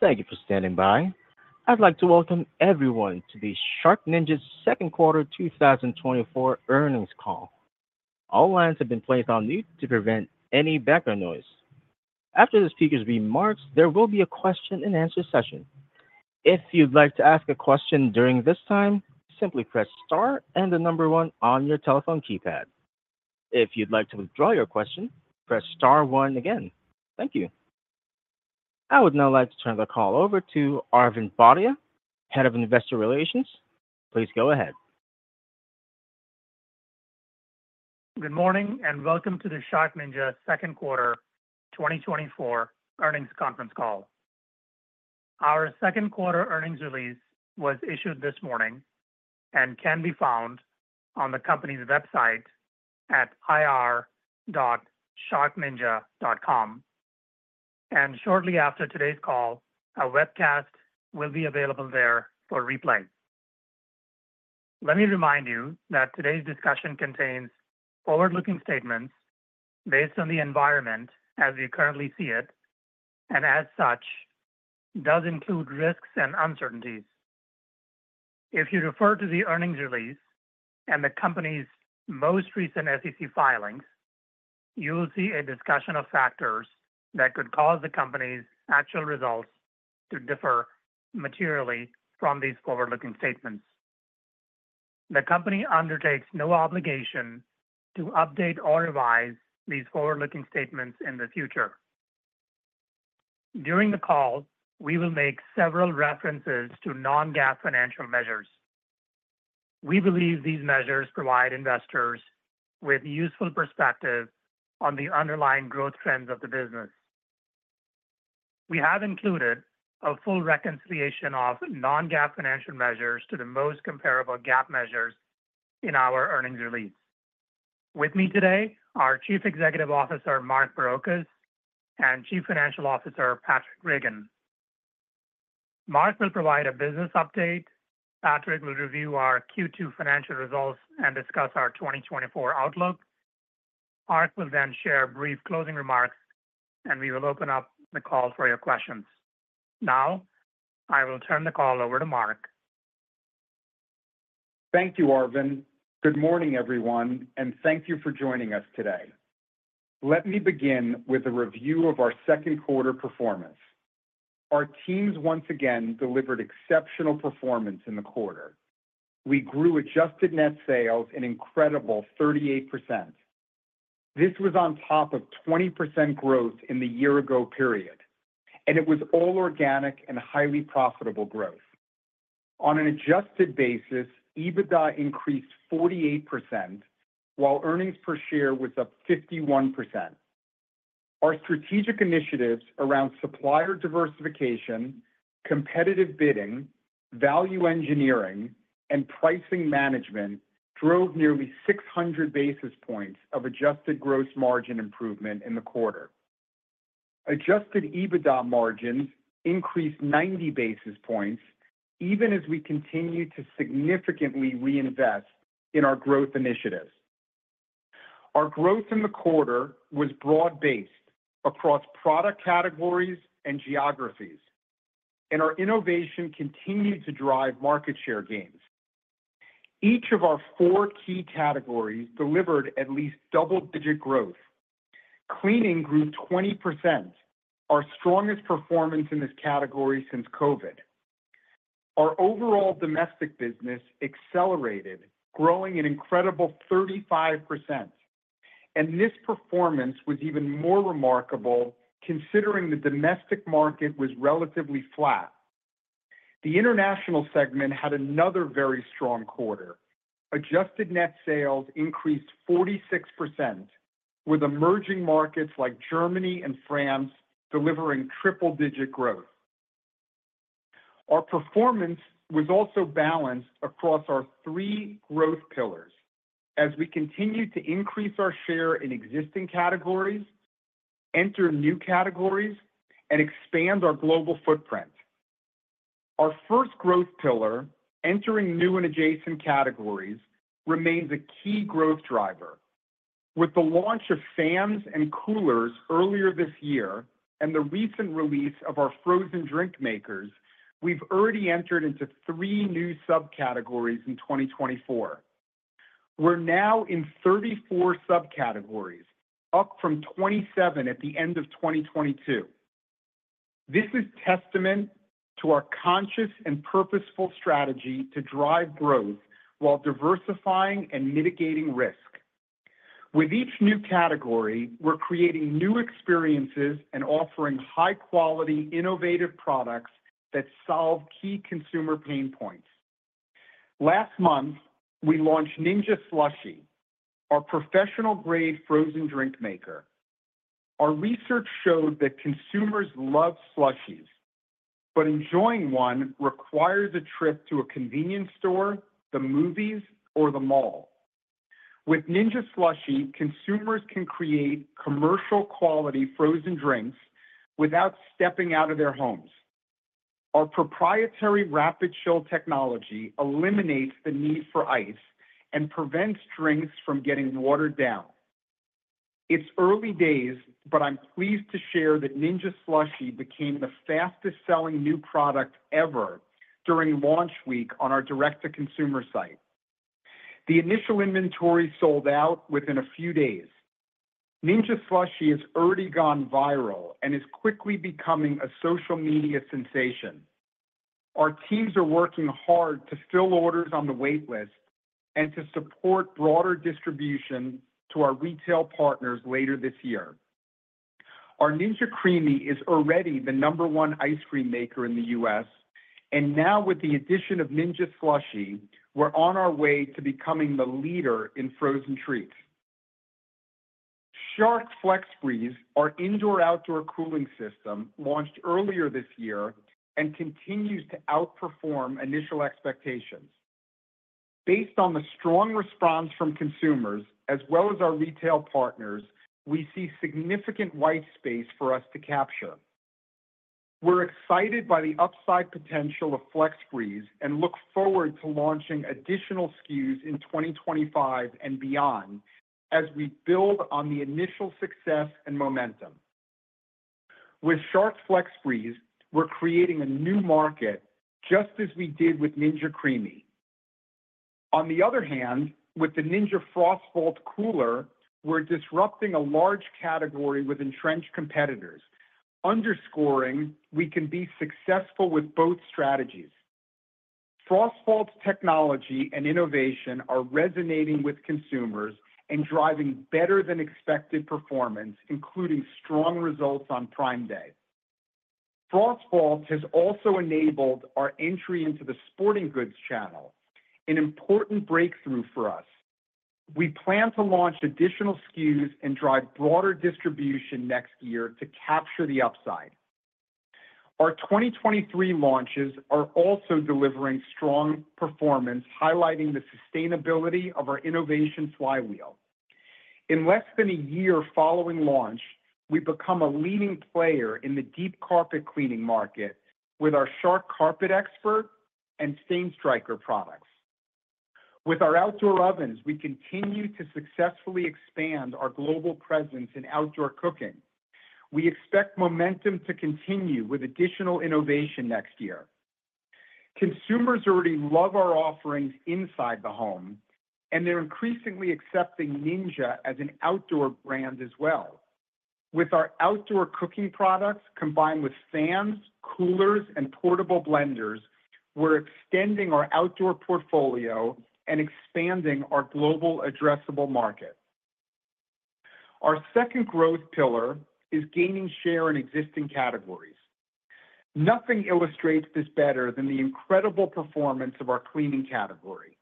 Thank you for standing by. I'd like to welcome everyone to the SharkNinja's Second Quarter 2024 Earnings Call. All lines have been placed on mute to prevent any background noise. After the speaker's remarks, there will be a question-and-answer session. If you'd like to ask a question during this time, simply press star and the number one on your telephone keypad. If you'd like to withdraw your question, press star one again. Thank you. I would now like to turn the call over to Arvind Bhatia, Head of Investor Relations. Please go ahead. Good morning, and welcome to the SharkNinja second quarter 2024 earnings conference call. Our second quarter earnings release was issued this morning and can be found on the company's website at ir.sharkninja.com. Shortly after today's call, a webcast will be available there for replay. Let me remind you that today's discussion contains forward-looking statements based on the environment as we currently see it, and as such, does include risks and uncertainties. If you refer to the earnings release and the company's most recent SEC filings, you will see a discussion of factors that could cause the company's actual results to differ materially from these forward-looking statements. The company undertakes no obligation to update or revise these forward-looking statements in the future. During the call, we will make several references to non-GAAP financial measures. We believe these measures provide investors with useful perspective on the underlying growth trends of the business. We have included a full reconciliation of non-GAAP financial measures to the most comparable GAAP measures in our earnings release. With me today, our Chief Executive Officer, Mark Barrocas, and Chief Financial Officer, Patraic Regan. Mark will provide a business update, Patraic will review our Q2 financial results and discuss our 2024 outlook. Mark will then share a brief closing remarks, and we will open up the call for your questions. Now, I will turn the call over to Mark. Thank you, Arvind. Good morning, everyone, and thank you for joining us today. Let me begin with a review of our second quarter performance. Our teams once again delivered exceptional performance in the quarter. We grew Adjusted Net Sales an incredible 38%. This was on top of 20% growth in the year ago period, and it was all organic and highly profitable growth. On an adjusted basis, EBITDA increased 48%, while earnings per share was up 51%. Our strategic initiatives around supplier diversification, competitive bidding, value engineering, and pricing management drove nearly 600 basis points of Adjusted Gross Margin improvement in the quarter. Adjusted EBITDA margin increased 90 basis points, even as we continued to significantly reinvest in our growth initiatives. Our growth in the quarter was broad-based across product categories and geographies, and our innovation continued to drive market share gains. Each of our four key categories delivered at least double-digit growth. Cleaning grew 20%, our strongest performance in this category since COVID. Our overall domestic business accelerated, growing an incredible 35%, and this performance was even more remarkable, considering the domestic market was relatively flat. The international segment had another very strong quarter. Adjusted Net Sales increased 46%, with emerging markets like Germany and France delivering triple-digit growth. Our performance was also balanced across our three growth pillars as we continued to increase our share in existing categories, enter new categories, and expand our global footprint. Our first growth pillar, entering new and adjacent categories, remains a key growth driver. With the launch of fans and coolers earlier this year and the recent release of our frozen drink makers, we've already entered into three new subcategories in 2024. We're now in 34 subcategories, up from 27 at the end of 2022. This is testament to our conscious and purposeful strategy to drive growth while diversifying and mitigating risk. With each new category, we're creating new experiences and offering high-quality, innovative products that solve key consumer pain points. Last month, we launched Ninja SLUSHi, our professional-grade frozen drink maker. Our research showed that consumers love slushies, but enjoying one requires a trip to a convenience store, the movies, or the mall. With Ninja SLUSHi, consumers can create commercial-quality frozen drinks without stepping out of their homes. Our proprietary RapidChill technology eliminates the need for ice and prevents drinks from getting watered down. It's early days, but I'm pleased to share that Ninja SLUSHi became the fastest-selling new product ever during launch week on our direct-to-consumer site. The initial inventory sold out within a few days. Ninja SLUSHi has already gone viral and is quickly becoming a social media sensation. Our teams are working hard to fill orders on the waitlist and to support broader distribution to our retail partners later this year. Our Ninja CREAMi is already the number one ice cream maker in the U.S., and now with the addition of Ninja SLUSHi, we're on our way to becoming the leader in frozen treats. Shark FlexBreeze, our indoor-outdoor cooling system, launched earlier this year and continues to outperform initial expectations. Based on the strong response from consumers as well as our retail partners, we see significant white space for us to capture. We're excited by the upside potential of FlexBreeze and look forward to launching additional SKUs in 2025 and beyond as we build on the initial success and momentum. With Shark FlexBreeze, we're creating a new market, just as we did with Ninja CREAMi. On the other hand, with the Ninja FrostVault Cooler, we're disrupting a large category with entrenched competitors, underscoring we can be successful with both strategies. FrostVault's technology and innovation are resonating with consumers and driving better-than-expected performance, including strong results on Prime Day. FrostVault has also enabled our entry into the sporting goods channel, an important breakthrough for us. We plan to launch additional SKUs and drive broader distribution next year to capture the upside. Our 2023 launches are also delivering strong performance, highlighting the sustainability of our innovation flywheel. In less than a year following launch, we've become a leading player in the deep carpet cleaning market with our Shark CarpetXpert and Shark StainStriker products. With our outdoor ovens, we continue to successfully expand our global presence in outdoor cooking. We expect momentum to continue with additional innovation next year. Consumers already love our offerings inside the home, and they're increasingly accepting Ninja as an outdoor brand as well. With our outdoor cooking products, combined with fans, coolers, and portable blenders, we're extending our outdoor portfolio and expanding our global addressable market. Our second growth pillar is gaining share in existing categories. Nothing illustrates this better than the incredible performance of our cleaning category.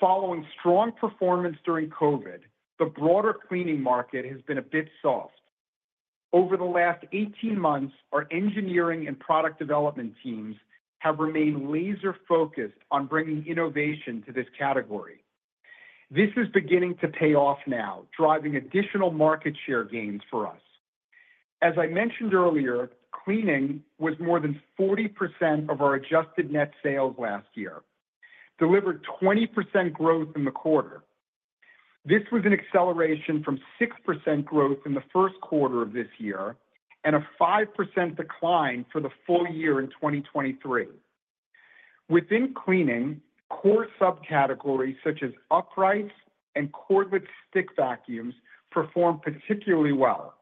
Following strong performance during COVID, the broader cleaning market has been a bit soft. Over the last 18 months, our engineering and product development teams have remained laser-focused on bringing innovation to this category. This is beginning to pay off now, driving additional market share gains for us. As I mentioned earlier, Cleaning was more than 40% of our Adjusted Net Sales last year, delivered 20% growth in the quarter. This was an acceleration from 6% growth in the first quarter of this year and a 5% decline for the full year in 2023. Within Cleaning, core subcategories such as uprights and cordless stick vacuums performed particularly well.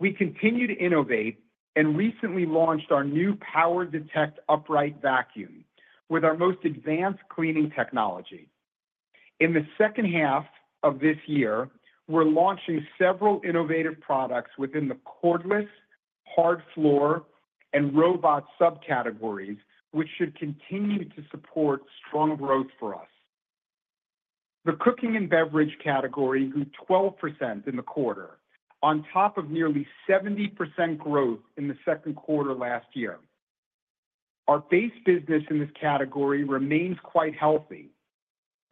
We continue to innovate and recently launched our new PowerDetect upright vacuum with our most advanced cleaning technology. In the second half of this year, we're launching several innovative products within the cordless, hard floor, and robot subcategories, which should continue to support strong growth for us. The Cooking and Beverage category grew 12% in the quarter, on top of nearly 70% growth in the second quarter last year. Our base business in this category remains quite healthy.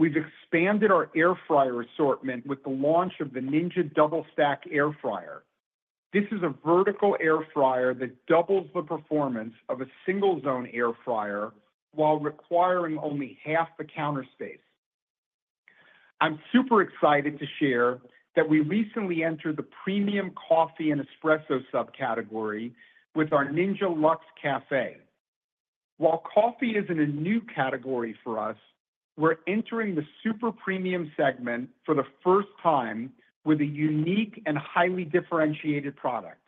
We've expanded our air fryer assortment with the launch of the Ninja DoubleStack air fryer. This is a vertical air fryer that doubles the performance of a single-zone air fryer while requiring only half the counter space. I'm super excited to share that we recently entered the premium coffee and espresso subcategory with our Ninja Luxe Café. While coffee isn't a new category for us, we're entering the super premium segment for the first time with a unique and highly differentiated product.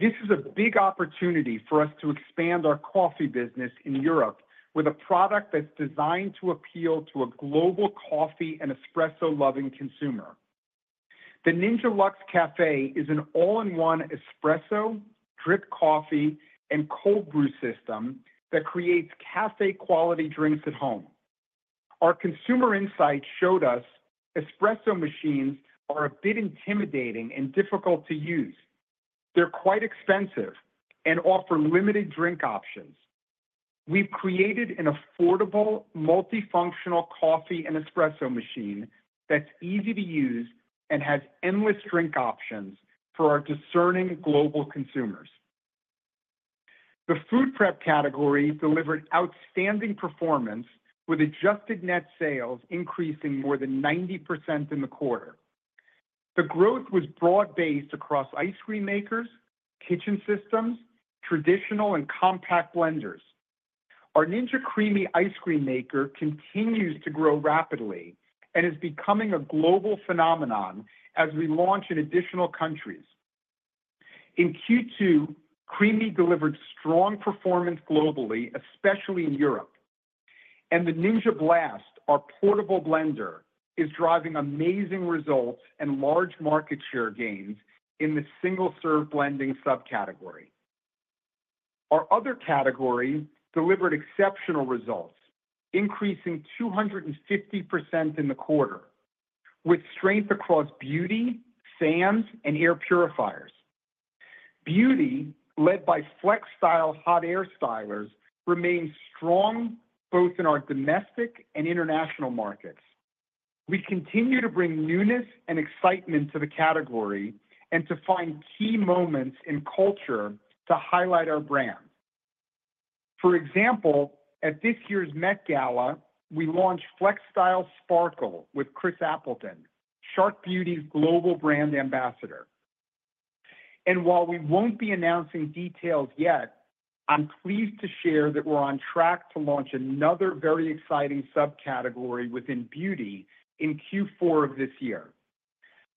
This is a big opportunity for us to expand our coffee business in Europe with a product that's designed to appeal to a global coffee and espresso-loving consumer. The Ninja Luxe Café is an all-in-one espresso, drip coffee, and cold brew system that creates cafe-quality drinks at home. Our consumer insights showed us espresso machines are a bit intimidating and difficult to use. They're quite expensive and offer limited drink options. We've created an affordable, multifunctional coffee and espresso machine that's easy to use and has endless drink options for our discerning global consumers. The Food Prep category delivered outstanding performance, with Adjusted Net Sales increasing more than 90% in the quarter. The growth was broad-based across ice cream makers, kitchen systems, traditional and compact blenders. Our Ninja CREAMi Ice Cream Maker continues to grow rapidly and is becoming a global phenomenon as we launch in additional countries. In Q2, CREAMi delivered strong performance globally, especially in Europe, and the Ninja Blast, our portable blender, is driving amazing results and large market share gains in the single-serve blending subcategory. Our other category delivered exceptional results, increasing 250% in the quarter, with strength across beauty, fans, and air purifiers. Beauty, led by FlexStyle hot air stylers, remains strong both in our domestic and international markets. We continue to bring newness and excitement to the category and to find key moments in culture to highlight our brand. For example, at this year's Met Gala, we launched FlexStyle Sparkle with Chris Appleton, Shark Beauty's global brand ambassador. And while we won't be announcing details yet, I'm pleased to share that we're on track to launch another very exciting subcategory within beauty in Q4 of this year.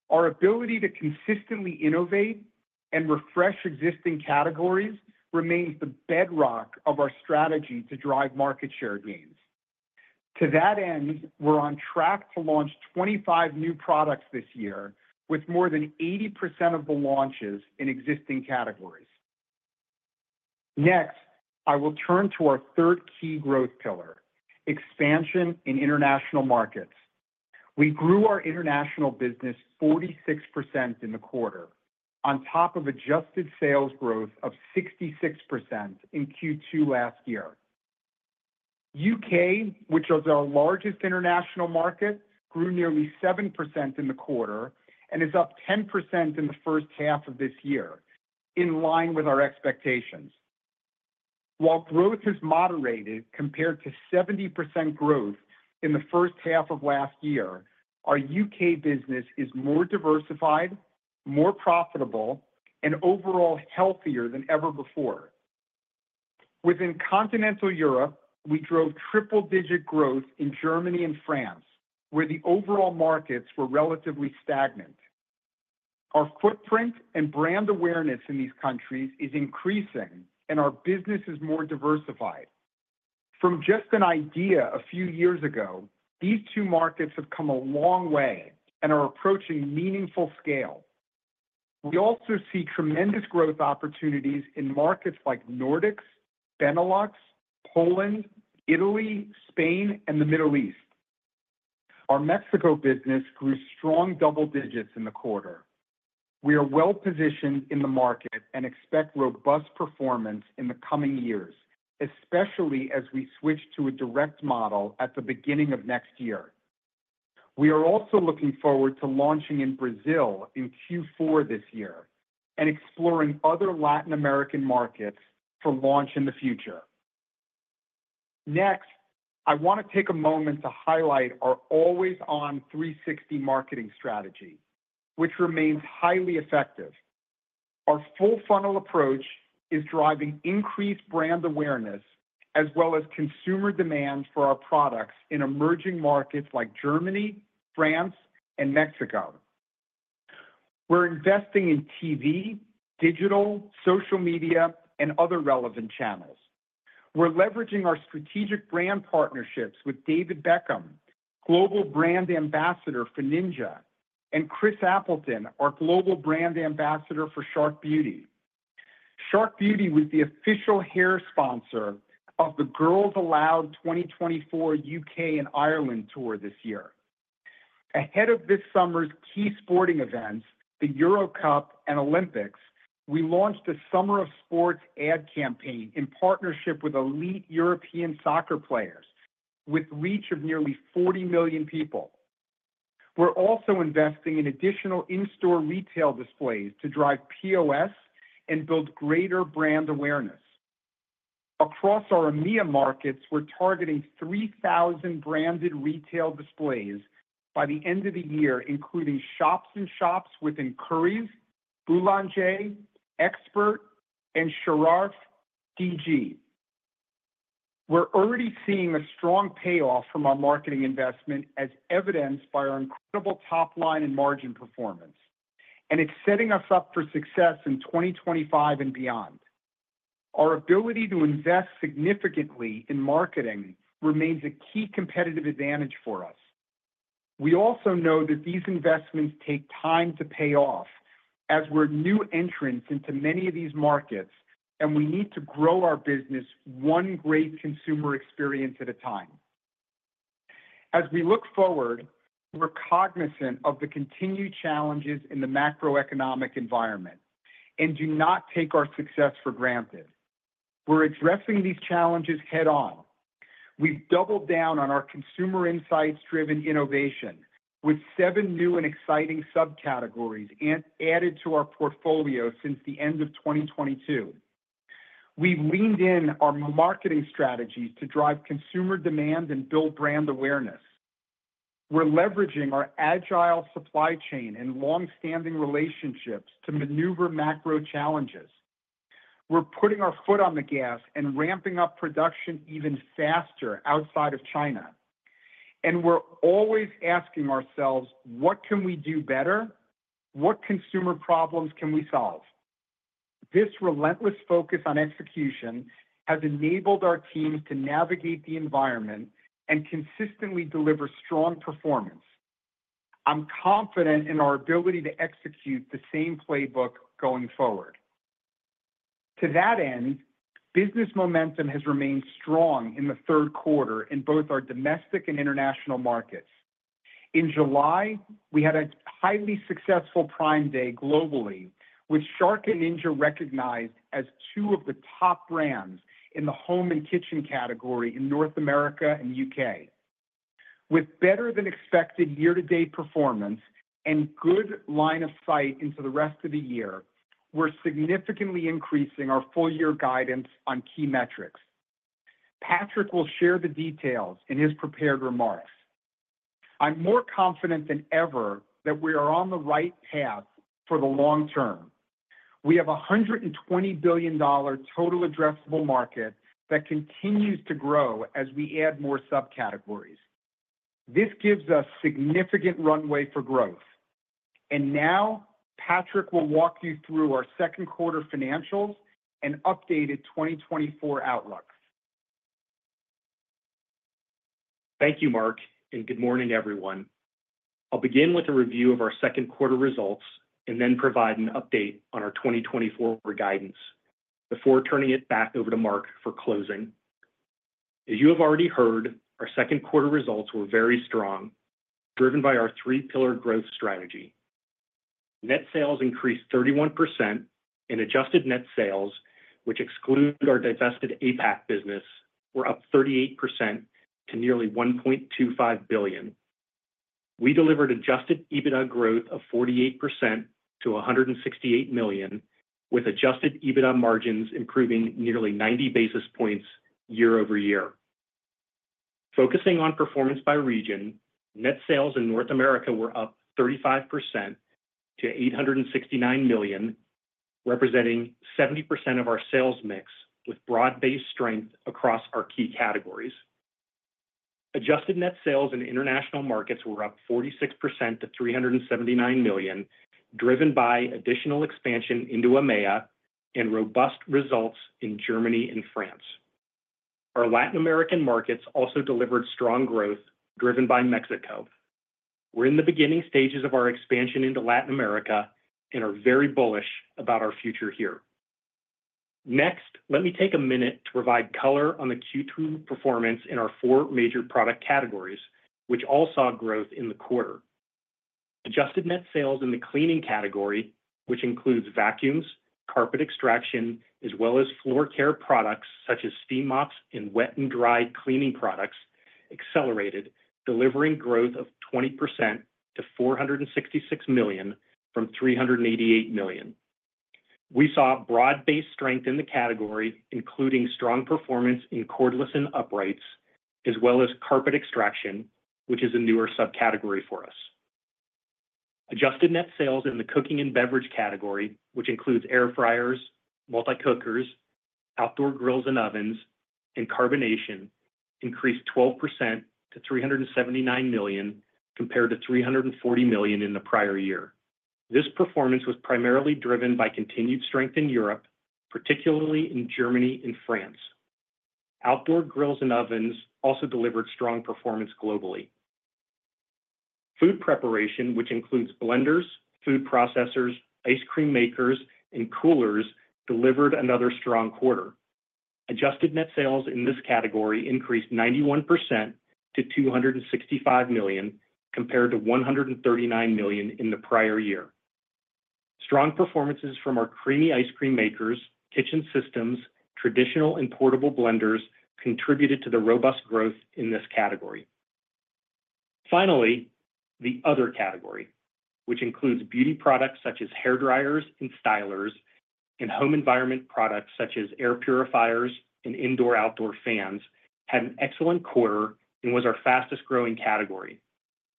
Our ability to consistently innovate and refresh existing categories remains the bedrock of our strategy to drive market share gains. To that end, we're on track to launch 25 new products this year, with more than 80% of the launches in existing categories. Next, I will turn to our third key growth pillar: expansion in international markets. We grew our international business 46% in the quarter, on top of adjusted sales growth of 66% in Q2 last year. U.K., which is our largest international market, grew nearly 7% in the quarter and is up 10% in the first half of this year, in line with our expectations. While growth has moderated compared to 70% growth in the first half of last year, our U.K. business is more diversified, more profitable, and overall healthier than ever before. Within continental Europe, we drove triple-digit growth in Germany and France, where the overall markets were relatively stagnant. Our footprint and brand awareness in these countries is increasing, and our business is more diversified. From just an idea a few years ago, these two markets have come a long way and are approaching meaningful scale. We also see tremendous growth opportunities in markets like Nordics, Benelux, Poland, Italy, Spain, and the Middle East. Our Mexico business grew strong double digits in the quarter. We are well-positioned in the market and expect robust performance in the coming years, especially as we switch to a direct model at the beginning of next year. We are also looking forward to launching in Brazil in Q4 this year and exploring other Latin American markets for launch in the future. Next, I want to take a moment to highlight our always-on 360 marketing strategy, which remains highly effective. Our full funnel approach is driving increased brand awareness, as well as consumer demand for our products in emerging markets like Germany, France, and Mexico. We're investing in TV, digital, social media, and other relevant channels. We're leveraging our strategic brand partnerships with David Beckham, global brand ambassador for Ninja, and Chris Appleton, our global brand ambassador for Shark Beauty. Shark Beauty was the official hair sponsor of the Girls Aloud 2024 U.K. and Ireland Tour this year. Ahead of this summer's key sporting events, the Euro Cup and Olympics, we launched a Summer of Sports ad campaign in partnership with elite European soccer players, with reach of nearly 40 million people. We're also investing in additional in-store retail displays to drive POS and build greater brand awareness. Across our EMEA markets, we're targeting 3,000 branded retail displays by the end of the year, including shop-in-shops within Currys, Boulanger, Expert, and Sharaf DG. We're already seeing a strong payoff from our marketing investment, as evidenced by our incredible top line and margin performance, and it's setting us up for success in 2025 and beyond. Our ability to invest significantly in marketing remains a key competitive advantage for us. We also know that these investments take time to pay off, as we're new entrants into many of these markets, and we need to grow our business one great consumer experience at a time. As we look forward, we're cognizant of the continued challenges in the macroeconomic environment and do not take our success for granted. We're addressing these challenges head-on. We've doubled down on our consumer insights-driven innovation, with seven new and exciting subcategories and added to our portfolio since the end of 2022. We've leaned in our marketing strategies to drive consumer demand and build brand awareness. We're leveraging our agile supply chain and long-standing relationships to maneuver macro challenges. We're putting our foot on the gas and ramping up production even faster outside of China. And we're always asking ourselves: What can we do better? What consumer problems can we solve? This relentless focus on execution has enabled our teams to navigate the environment and consistently deliver strong performance. I'm confident in our ability to execute the same playbook going forward. To that end, business momentum has remained strong in the third quarter in both our domestic and international markets. In July, we had a highly successful Prime Day globally, with Shark and Ninja recognized as two of the top brands in the home and kitchen category in North America and U.K. With better-than-expected year-to-date performance and good line of sight into the rest of the year, we're significantly increasing our full year guidance on key metrics. Patraic will share the details in his prepared remarks. I'm more confident than ever that we are on the right path for the long term. We have a $120 billion total addressable market that continues to grow as we add more subcategories. This gives us significant runway for growth. Now, Patraic will walk you through our second quarter financials and updated 2024 outlook. Thank you, Mark, and good morning, everyone. I'll begin with a review of our second quarter results and then provide an update on our 2024 guidance before turning it back over to Mark for closing. As you have already heard, our second quarter results were very strong, driven by our three-pillar growth strategy. Net sales increased 31%, and adjusted net sales, which exclude our divested APAC business, were up 38% to nearly $1.25 billion. We delivered adjusted EBITDA growth of 48% to $168 million, with adjusted EBITDA margins improving nearly 90 basis points year-over-year. Focusing on performance by region, net sales in North America were up 35% to $869 million, representing 70% of our sales mix, with broad-based strength across our key categories. Adjusted net sales in international markets were up 46% to $379 million, driven by additional expansion into EMEA and robust results in Germany and France. Our Latin American markets also delivered strong growth, driven by Mexico. We're in the beginning stages of our expansion into Latin America and are very bullish about our future here. Next, let me take a minute to provide color on the Q2 performance in our four major product categories, which all saw growth in the quarter. Adjusted net sales in the cleaning category, which includes vacuums, carpet extraction, as well as floor care products such as steam mops and wet and dry cleaning products, accelerated, delivering growth of 20% to $466 million from $388 million. We saw broad-based strength in the category, including strong performance in cordless and uprights, as well as carpet extraction, which is a newer subcategory for us. Adjusted net sales in the Cooking and Beverage category, which includes air fryers, multi cookers, outdoor grills and ovens, and carbonation, increased 12% to $379 million, compared to $340 million in the prior year. This performance was primarily driven by continued strength in Europe, particularly in Germany and France. Outdoor grills and ovens also delivered strong performance globally. Food Preparation, which includes blenders, food processors, ice cream makers, and coolers, delivered another strong quarter. Adjusted net sales in this category increased 91% to $265 million, compared to $139 million in the prior year. Strong performances from our CREAMi ice cream makers, kitchen systems, traditional and portable blenders contributed to the robust growth in this category. Finally, the other category, which includes beauty products such as hairdryers and stylers, and home environment products such as air purifiers and indoor/outdoor fans, had an excellent quarter and was our fastest-growing category.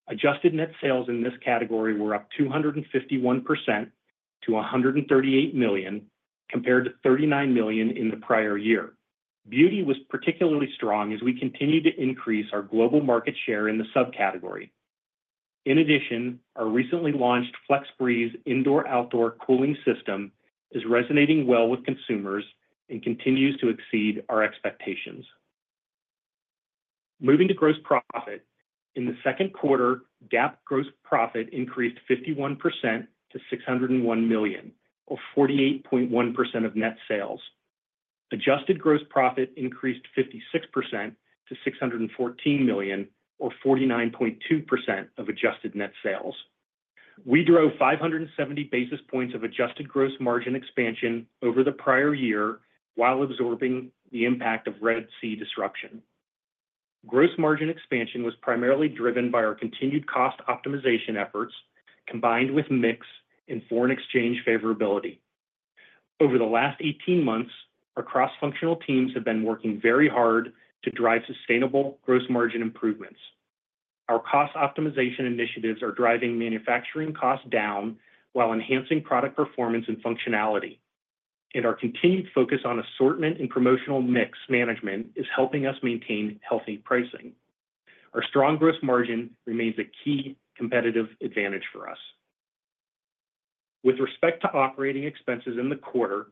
Adjusted net sales in this category were up 251% to $138 million, compared to $39 million in the prior year. Beauty was particularly strong as we continued to increase our global market share in the subcategory. In addition, our recently launched FlexBreeze indoor/outdoor cooling system is resonating well with consumers and continues to exceed our expectations. Moving to gross profit, in the second quarter, GAAP gross profit increased 51% to $601 million, or 48.1% of net sales. Adjusted gross profit increased 56% to $614 million, or 49.2% of adjusted net sales. We drove 570 basis points of adjusted gross margin expansion over the prior year, while absorbing the impact of Red Sea disruption. Gross margin expansion was primarily driven by our continued cost optimization efforts, combined with mix and foreign exchange favorability. Over the last 18 months, our cross-functional teams have been working very hard to drive sustainable gross margin improvements. Our cost optimization initiatives are driving manufacturing costs down while enhancing product performance and functionality. And our continued focus on assortment and promotional mix management is helping us maintain healthy pricing. Our strong gross margin remains a key competitive advantage for us. With respect to operating expenses in the quarter,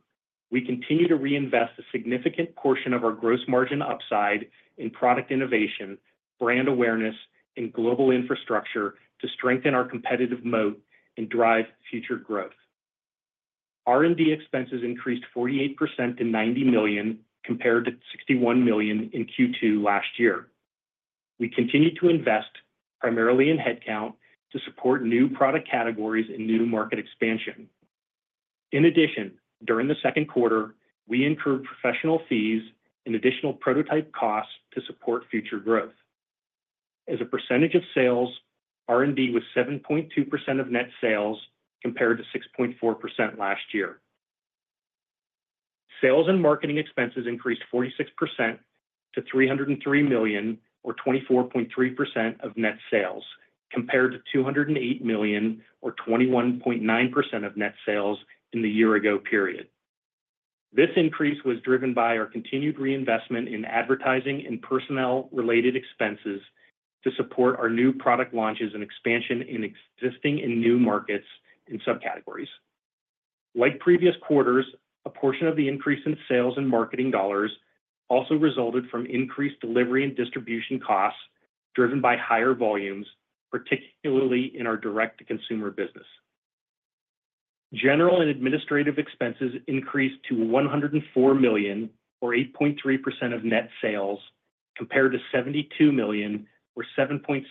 we continue to reinvest a significant portion of our gross margin upside in product innovation, brand awareness, and global infrastructure to strengthen our competitive moat and drive future growth. R&D expenses increased 48% to $90 million, compared to $61 million in Q2 last year. We continued to invest, primarily in headcount, to support new product categories and new market expansion. In addition, during the second quarter, we incurred professional fees and additional prototype costs to support future growth. As a percentage of sales, R&D was 7.2% of net sales, compared to 6.4% last year. Sales and marketing expenses increased 46% to $303 million, or 24.3% of net sales, compared to $208 million or 21.9% of net sales in the year ago period. This increase was driven by our continued reinvestment in advertising and personnel-related expenses to support our new product launches and expansion in existing and new markets and subcategories. Like previous quarters, a portion of the increase in sales and marketing dollars also resulted from increased delivery and distribution costs, driven by higher volumes, particularly in our direct-to-consumer business. General and administrative expenses increased to $104 million, or 8.3% of net sales, compared to $72 million, or 7.6%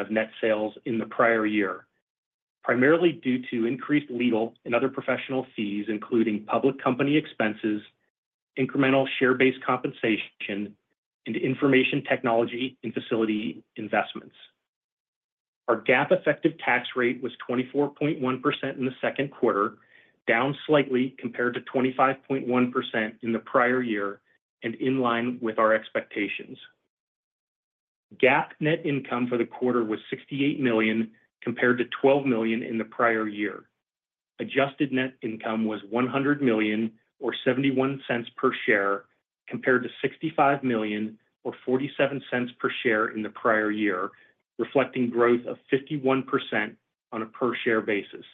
of net sales in the prior year, primarily due to increased legal and other professional fees, including public company expenses, incremental share-based compensation, and information technology and facility investments. Our GAAP effective tax rate was 24.1% in the second quarter, down slightly compared to 25.1% in the prior year and in line with our expectations. GAAP net income for the quarter was $68 million, compared to $12 million in the prior year. Adjusted net income was $100 million, or $0.71 per share, compared to $65 million or $0.47 per share in the prior year, reflecting growth of 51% on a per-share basis.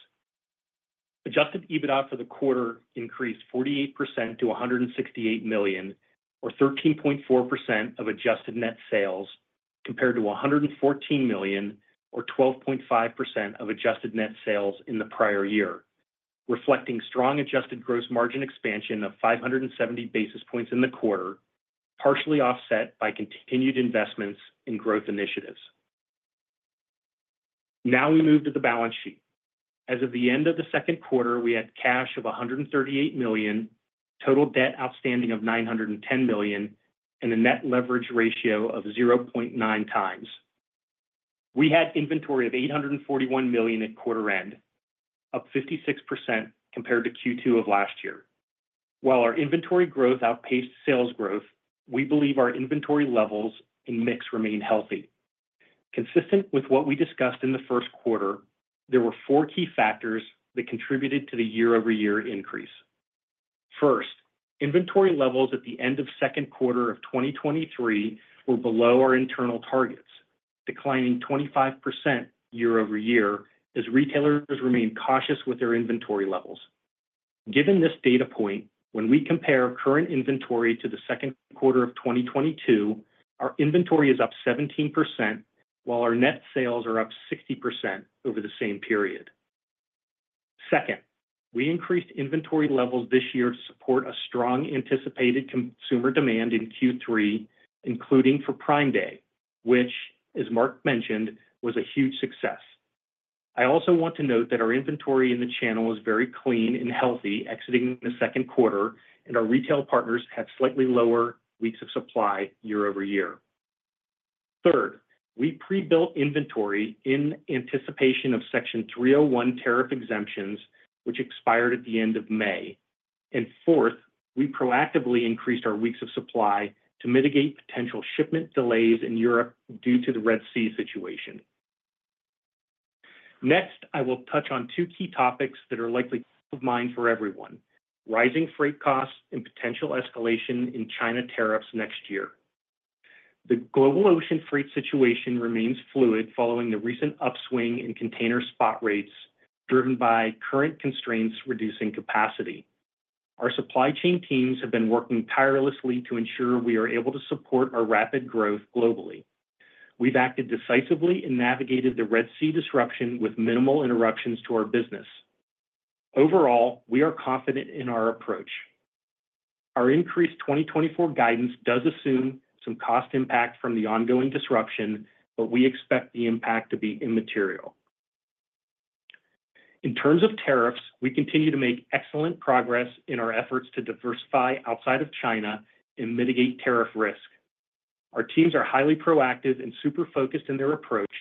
Adjusted EBITDA for the quarter increased 48% to $168 million, or 13.4% of adjusted net sales, compared to $114 million, or 12.5% of adjusted net sales in the prior year, reflecting strong adjusted gross margin expansion of 570 basis points in the quarter, partially offset by continued investments in growth initiatives. Now we move to the balance sheet. As of the end of the second quarter, we had cash of $138 million, total debt outstanding of $910 million, and a net leverage ratio of 0.9x. We had inventory of $841 million at quarter end, up 56% compared to Q2 of last year. While our inventory growth outpaced sales growth, we believe our inventory levels and mix remain healthy. Consistent with what we discussed in the first quarter, there were four key factors that contributed to the year-over-year increase. First, inventory levels at the end of second quarter of 2023 were below our internal targets, declining 25% year over year as retailers remain cautious with their inventory levels. Given this data point, when we compare current inventory to the second quarter of 2022, our inventory is up 17%, while our net sales are up 60% over the same period. Second, we increased inventory levels this year to support a strong anticipated consumer demand in Q3, including for Prime Day, which, as Mark mentioned, was a huge success. I also want to note that our inventory in the channel is very clean and healthy exiting the second quarter, and our retail partners have slightly lower weeks of supply year-over-year. Third, we pre-built inventory in anticipation of Section 301 tariff exemptions, which expired at the end of May. Fourth, we proactively increased our weeks of supply to mitigate potential shipment delays in Europe due to the Red Sea situation. Next, I will touch on two key topics that are likely of mind for everyone: rising freight costs and potential escalation in China tariffs next year. The global ocean freight situation remains fluid following the recent upswing in container spot rates, driven by current constraints, reducing capacity. Our supply chain teams have been working tirelessly to ensure we are able to support our rapid growth globally. We've acted decisively and navigated the Red Sea disruption with minimal interruptions to our business. Overall, we are confident in our approach. Our increased 2024 guidance does assume some cost impact from the ongoing disruption, but we expect the impact to be immaterial. In terms of tariffs, we continue to make excellent progress in our efforts to diversify outside of China and mitigate tariff risk. Our teams are highly proactive and super focused in their approach,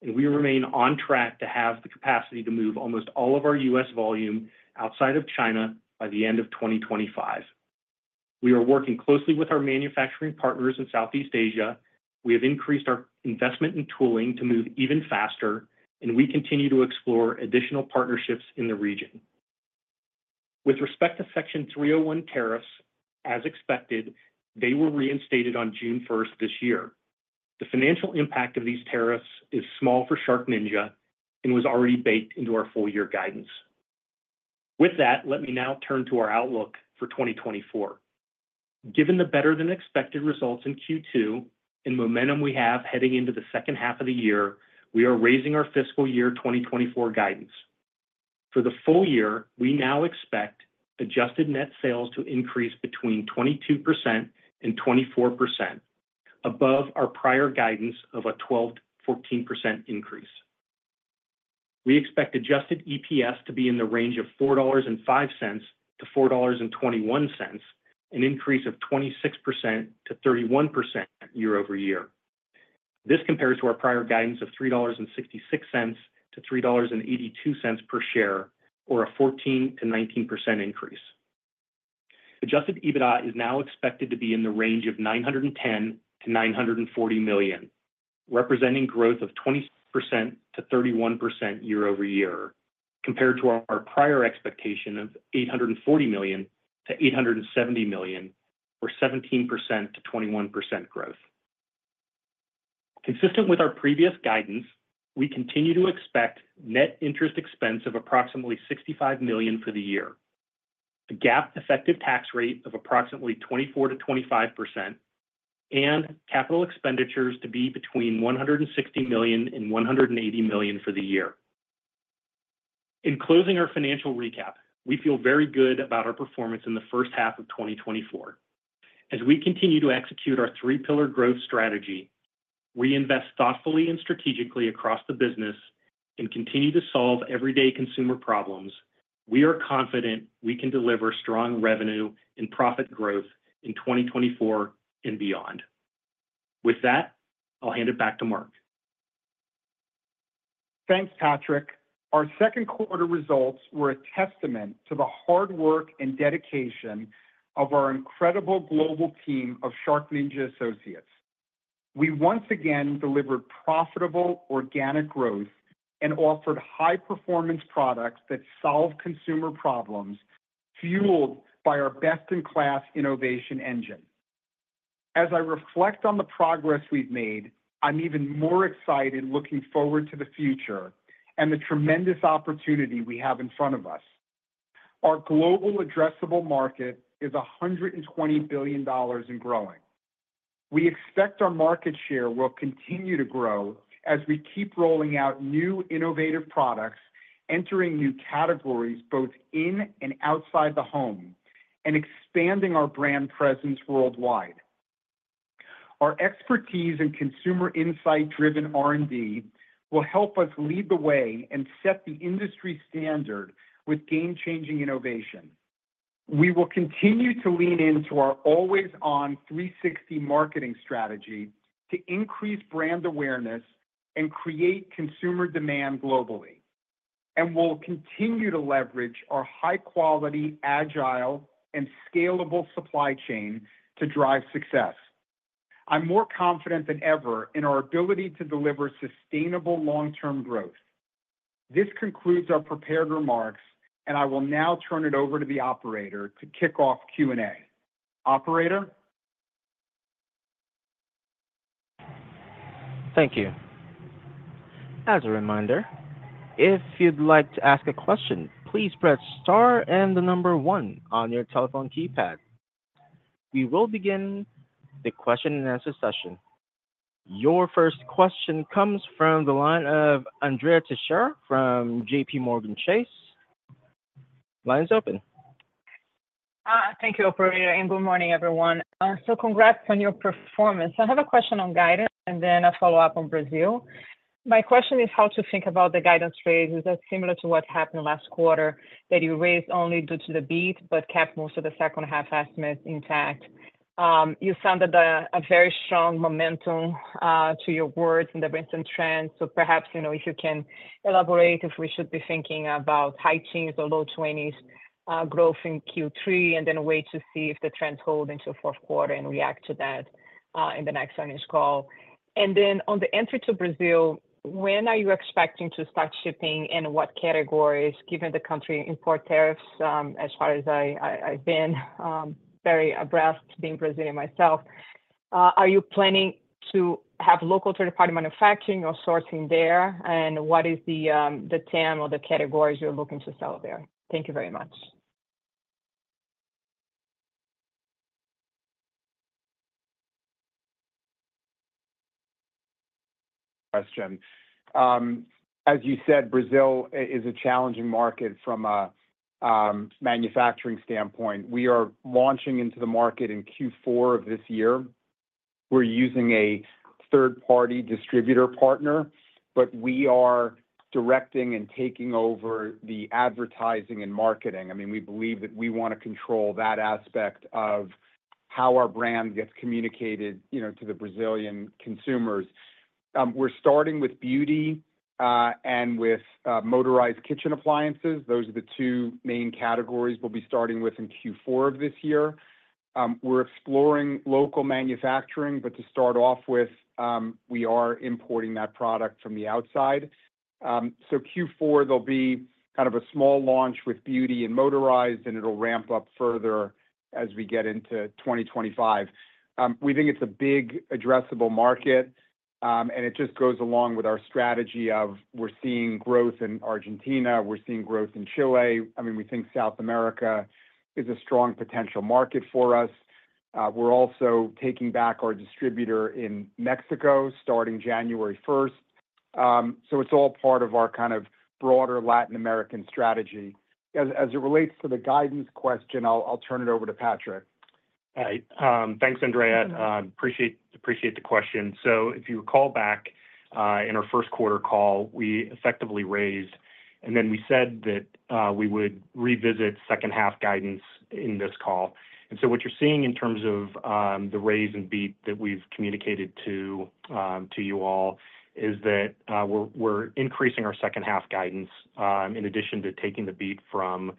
and we remain on track to have the capacity to move almost all of our U.S. volume outside of China by the end of 2025. We are working closely with our manufacturing partners in Southeast Asia. We have increased our investment in tooling to move even faster, and we continue to explore additional partnerships in the region. With respect to Section 301 tariffs, as expected, they were reinstated on June 1st this year. The financial impact of these tariffs is small for SharkNinja, and was already baked into our full year guidance. With that, let me now turn to our outlook for 2024. Given the better-than-expected results in Q2 and momentum we have heading into the second half of the year, we are raising our fiscal year 2024 guidance. For the full year, we now expect adjusted net sales to increase between 22% and 24%, above our prior guidance of a 12%-14% increase. We expect adjusted EPS to be in the range of $4.05-$4.21, an increase of 26%-31% year over year. This compares to our prior guidance of $3.66-$3.82 per share, or a 14%-19% increase. Adjusted EBITDA is now expected to be in the range of $910 million-$940 million, representing growth of 20%-31% year over year, compared to our prior expectation of $840 million-$870 million, or 17%-21% growth. Consistent with our previous guidance, we continue to expect net interest expense of approximately $65 million for the year, a GAAP effective tax rate of approximately 24%-25%, and capital expenditures to be between $160 million and $180 million for the year. In closing our financial recap, we feel very good about our performance in the first half of 2024. As we continue to execute our three pillar growth strategy, we invest thoughtfully and strategically across the business and continue to solve everyday consumer problems, we are confident we can deliver strong revenue and profit growth in 2024 and beyond. With that, I'll hand it back to Mark. Thanks, Patraic. Our second quarter results were a testament to the hard work and dedication of our incredible global team of SharkNinja associates. We once again delivered profitable organic growth and offered high performance products that solve consumer problems, fueled by our best-in-class innovation engine. As I reflect on the progress we've made, I'm even more excited looking forward to the future and the tremendous opportunity we have in front of us. Our global addressable market is $120 billion and growing. We expect our market share will continue to grow as we keep rolling out new innovative products, entering new categories both in and outside the home, and expanding our brand presence worldwide. Our expertise and consumer insight-driven R&D will help us lead the way and set the industry standard with game-changing innovation. We will continue to lean into our always-on 360 marketing strategy to increase brand awareness and create consumer demand globally, and we'll continue to leverage our high quality, agile, and scalable supply chain to drive success. I'm more confident than ever in our ability to deliver sustainable long-term growth. This concludes our prepared remarks, and I will now turn it over to the operator to kick off Q&A. Operator? Thank you. As a reminder, if you'd like to ask a question, please press star and the number one on your telephone keypad. We will begin the question and answer session. Your first question comes from the line of Andrea Teixeira from JPMorgan Chase. Line's open. Thank you, operator, and good morning, everyone. So congrats on your performance. I have a question on guidance and then a follow-up on Brazil. My question is how to think about the guidance trade. Is that similar to what happened last quarter, that you raised only due to the beat, but kept most of the second half estimates intact? You sounded a very strong momentum to your words in the recent trends. So perhaps, you know, if you can elaborate, if we should be thinking about high teens or low twenties growth in Q3, and then wait to see if the trends hold into the fourth quarter and react to that in the next earnings call. And then on the entry to Brazil, when are you expecting to start shipping and what categories, given the country import tariffs, as far as I've been very abreast, being Brazilian myself. Are you planning to have local third-party manufacturing or sourcing there? And what is the TAM or the categories you're looking to sell there? Thank you very much. Question. As you said, Brazil is a challenging market from a manufacturing standpoint. We are launching into the market in Q4 of this year. We're using a third-party distributor partner, but we are directing and taking over the advertising and marketing. I mean, we believe that we want to control that aspect of how our brand gets communicated, you know, to the Brazilian consumers. We're starting with beauty and with motorized kitchen appliances. Those are the two main categories we'll be starting with in Q4 of this year. We're exploring local manufacturing, but to start off with, we are importing that product from the outside. So Q4, there'll be kind of a small launch with beauty and motorized, and it'll ramp up further as we get into 2025. We think it's a big addressable market, and it just goes along with our strategy of we're seeing growth in Argentina, we're seeing growth in Chile. I mean, we think South America is a strong potential market for us. We're also taking back our distributor in Mexico, starting January 1st. So it's all part of our kind of broader Latin American strategy. As it relates to the guidance question, I'll turn it over to Patraic. Hi. Thanks, Andrea. Appreciate the question. So if you recall back in our first quarter call, we effectively raised, and then we said that we would revisit second-half guidance in this call. And so what you're seeing in terms of the raise and beat that we've communicated to you all is that we're increasing our second-half guidance in addition to taking the beat from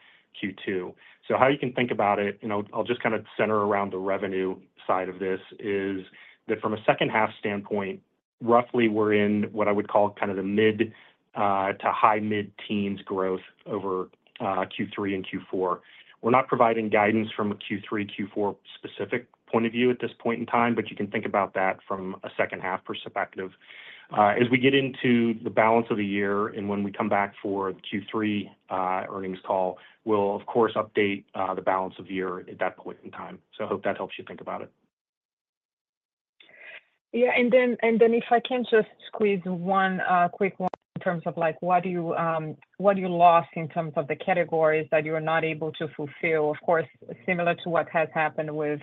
Q2. So how you can think about it, you know, I'll just kind of center around the revenue side of this, is that from a second-half standpoint, roughly we're in what I would call kind of the mid- to high-mid-teens growth over Q3 and Q4. We're not providing guidance from a Q3, Q4 specific point of view at this point in time, but you can think about that from a second-half perspective. As we get into the balance of the year and when we come back for the Q3 earnings call, we'll of course update the balance of the year at that point in time. So I hope that helps you think about it. Yeah, and then, and then if I can just squeeze one, quick one in terms of like, what do you, what do you lose in terms of the categories that you are not able to fulfill? Of course, similar to what has happened with,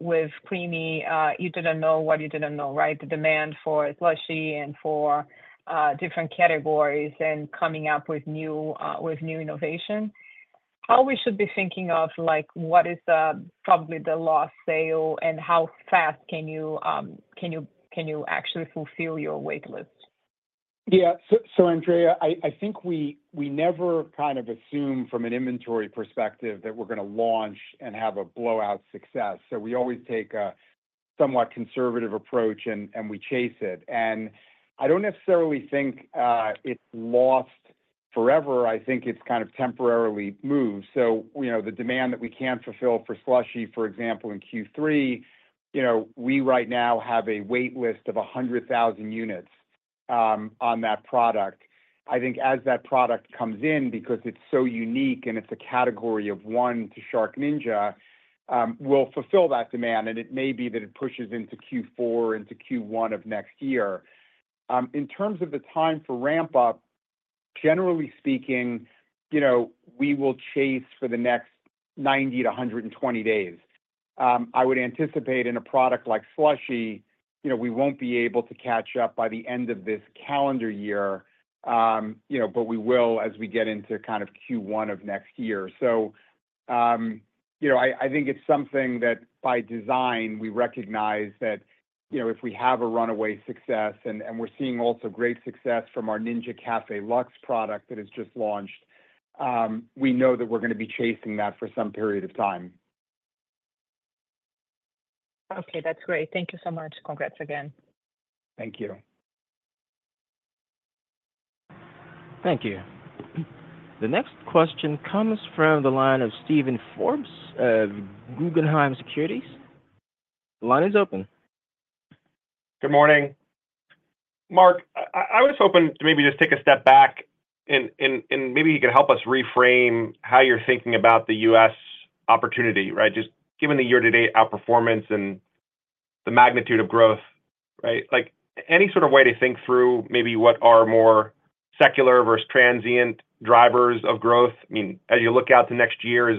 with CREAMi, you didn't know what you didn't know, right? The demand for SLUSHi and for, different categories and coming up with new, with new innovation. How we should be thinking of, like, what is probably the lost sale, and how fast can you actually fulfill your wait list? Yeah. So, Andrea, I think we never kind of assume from an inventory perspective that we're gonna launch and have a blowout success. So we always take a somewhat conservative approach, and we chase it. And I don't necessarily think it's lost forever. I think it's kind of temporarily moved. So you know, the demand that we can't fulfill for Slushi, for example, in Q3, you know, we right now have a wait list of 100,000 units on that product. I think as that product comes in, because it's so unique and it's a category of one to SharkNinja, we'll fulfill that demand, and it may be that it pushes into Q4, into Q1 of next year. In terms of the time for ramp-up, generally speaking, you know, we will chase for the next 90 to 120 days. I would anticipate in a product like SLUSHi, you know, we won't be able to catch up by the end of this calendar year, you know, but we will as we get into kind of Q1 of next year. So, you know, I, I think it's something that by design, we recognize that, you know, if we have a runaway success and, and we're seeing also great success from our Ninja Luxe Café product that has just launched, we know that we're gonna be chasing that for some period of time. Okay, that's great. Thank you so much. Congrats again. Thank you. Thank you. The next question comes from the line of Steven Forbes of Guggenheim Securities. The line is open. Good morning. Mark, I was hoping to maybe just take a step back and maybe you could help us reframe how you're thinking about the U.S. opportunity, right? Just given the year-to-date outperformance and the magnitude of growth, right? Like, any sort of way to think through maybe what are more secular versus transient drivers of growth. I mean, as you look out to next year, is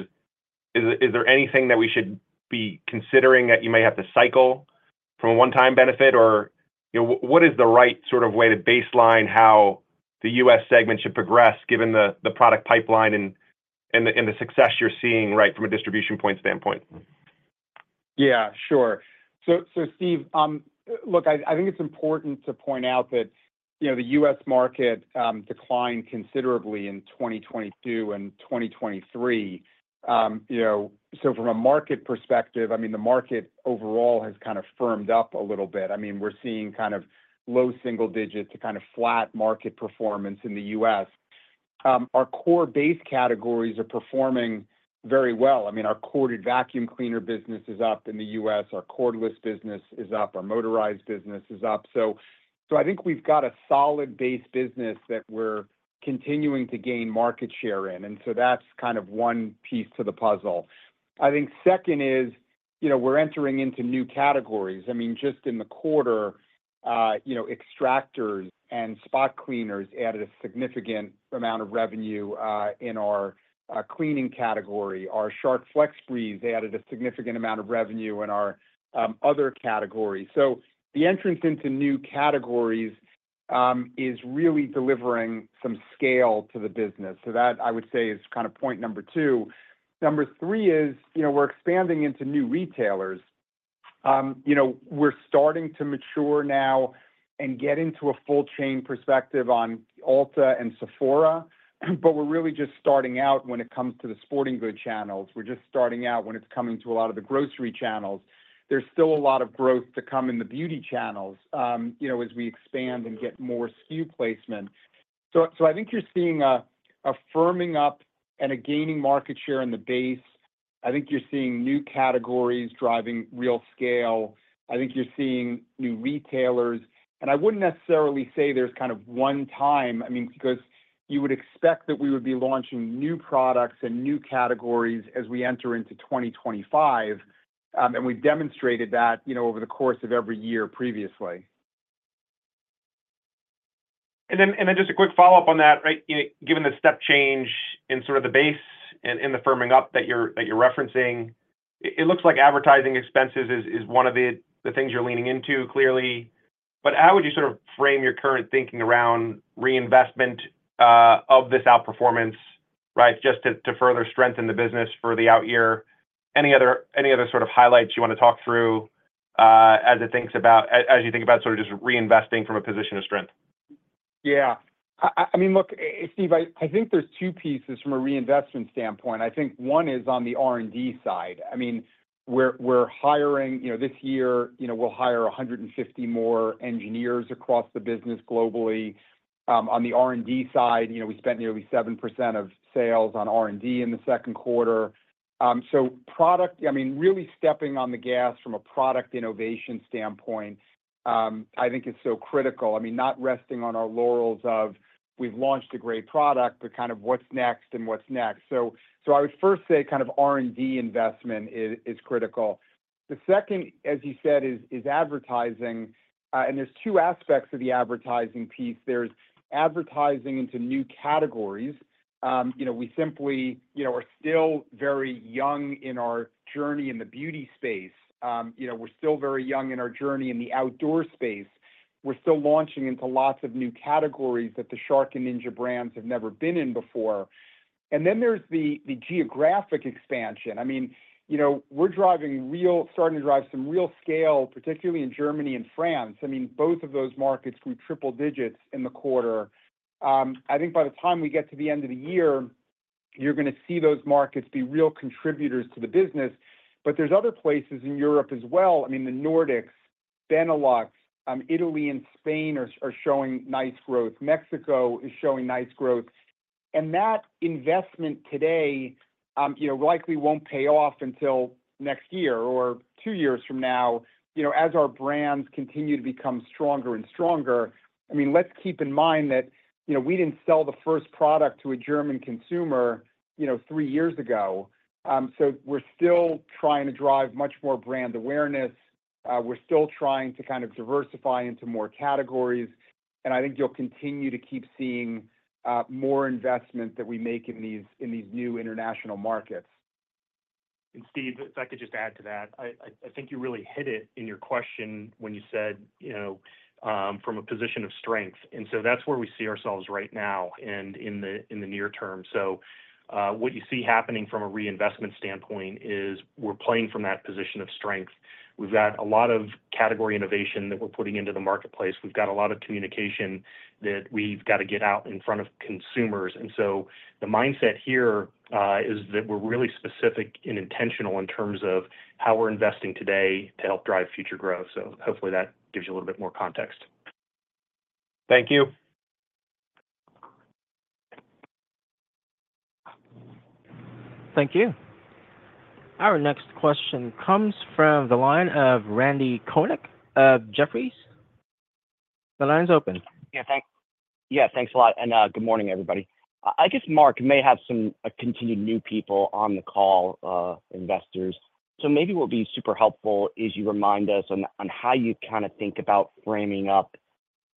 there anything that we should be considering that you may have to cycle from a one-time benefit? Or, you know, what is the right sort of way to baseline how the U.S. segment should progress, given the product pipeline and the success you're seeing, right, from a distribution point standpoint? Yeah, sure. So, Steve, look, I think it's important to point out that, you know, the U.S. market declined considerably in 2022 and 2023. You know, so from a market perspective, I mean, the market overall has kind of firmed up a little bit. I mean, we're seeing kind of low single digits to kind of flat market performance in the U.S. Our core base categories are performing very well. I mean, our corded vacuum cleaner business is up in the U.S., our cordless business is up, our motorized business is up. So, I think we've got a solid base business that we're continuing to gain market share in, and so that's kind of one piece to the puzzle. I think second is, you know, we're entering into new categories. I mean, just in the quarter, you know, extractors and spot cleaners added a significant amount of revenue in our Cleaning category. Our Shark FlexBreeze added a significant amount of revenue in our other categories. So the entrance into new categories is really delivering some scale to the business. So that, I would say, is kind of point number two. Number three is, you know, we're expanding into new retailers. You know, we're starting to mature now and get into a full chain perspective on Ulta and Sephora, but we're really just starting out when it comes to the sporting goods channels. We're just starting out when it's coming to a lot of the grocery channels. There's still a lot of growth to come in the beauty channels, you know, as we expand and get more SKU placement. I think you're seeing a firming up and gaining market share in the base. I think you're seeing new categories driving real scale. I think you're seeing new retailers, and I wouldn't necessarily say there's kind of one time, I mean, because you would expect that we would be launching new products and new categories as we enter into 2025. And we've demonstrated that, you know, over the course of every year previously. And then, and then just a quick follow-up on that, right? Given the step change in sort of the base and, and the firming up that you're, that you're referencing, it, it looks like advertising expenses is, is one of the, the things you're leaning into, clearly. But how would you sort of frame your current thinking around reinvestment, of this outperformance, right? Just to, to further strengthen the business for the out year. Any other, any other sort of highlights you want to talk through, as, as you think about sort of just reinvesting from a position of strength? Yeah. I mean, look, Steve, I think there's two pieces from a reinvestment standpoint. I think one is on the R&D side. I mean, we're hiring, you know. This year, you know, we'll hire 150 more engineers across the business globally. On the R&D side, you know, we spent nearly 7% of sales on R&D in the second quarter. So product, I mean, really stepping on the gas from a product innovation standpoint, I think is so critical. I mean, not resting on our laurels of we've launched a great product, but kind of what's next and what's next. So I would first say kind of R&D investment is critical. The second, as you said, is advertising, and there's two aspects to the advertising piece. There's advertising into new categories. You know, we simply, you know, are still very young in our journey in the beauty space. You know, we're still very young in our journey in the outdoor space. We're still launching into lots of new categories that the Shark and Ninja brands have never been in before. And then there's the geographic expansion. I mean, you know, we're starting to drive some real scale, particularly in Germany and France. I mean, both of those markets grew triple digits in the quarter. I think by the time we get to the end of the year, you're gonna see those markets be real contributors to the business. But there's other places in Europe as well. I mean, the Nordics, Benelux, Italy and Spain are showing nice growth. Mexico is showing nice growth. And that investment today, you know, likely won't pay off until next year or two years from now, you know, as our brands continue to become stronger and stronger. I mean, let's keep in mind that, you know, we didn't sell the first product to a German consumer, you know, three years ago. So we're still trying to drive much more brand awareness. We're still trying to kind of diversify into more categories, and I think you'll continue to keep seeing more investment that we make in these new international markets. Steve, if I could just add to that. I think you really hit it in your question when you said, you know, from a position of strength, and so that's where we see ourselves right now and in the near term. So, what you see happening from a reinvestment standpoint is we're playing from that position of strength. We've got a lot of category innovation that we're putting into the marketplace. We've got a lot of communication that we've got to get out in front of consumers. And so the mindset here is that we're really specific and intentional in terms of how we're investing today to help drive future growth. So hopefully that gives you a little bit more context. Thank you. Thank you. Our next question comes from the line of Randy Konik, Jefferies. The line is open. Yeah, thanks a lot, and good morning, everybody. I guess Mark may have some continued new people on the call, investors. So maybe what would be super helpful is you remind us on how you kind of think about framing up,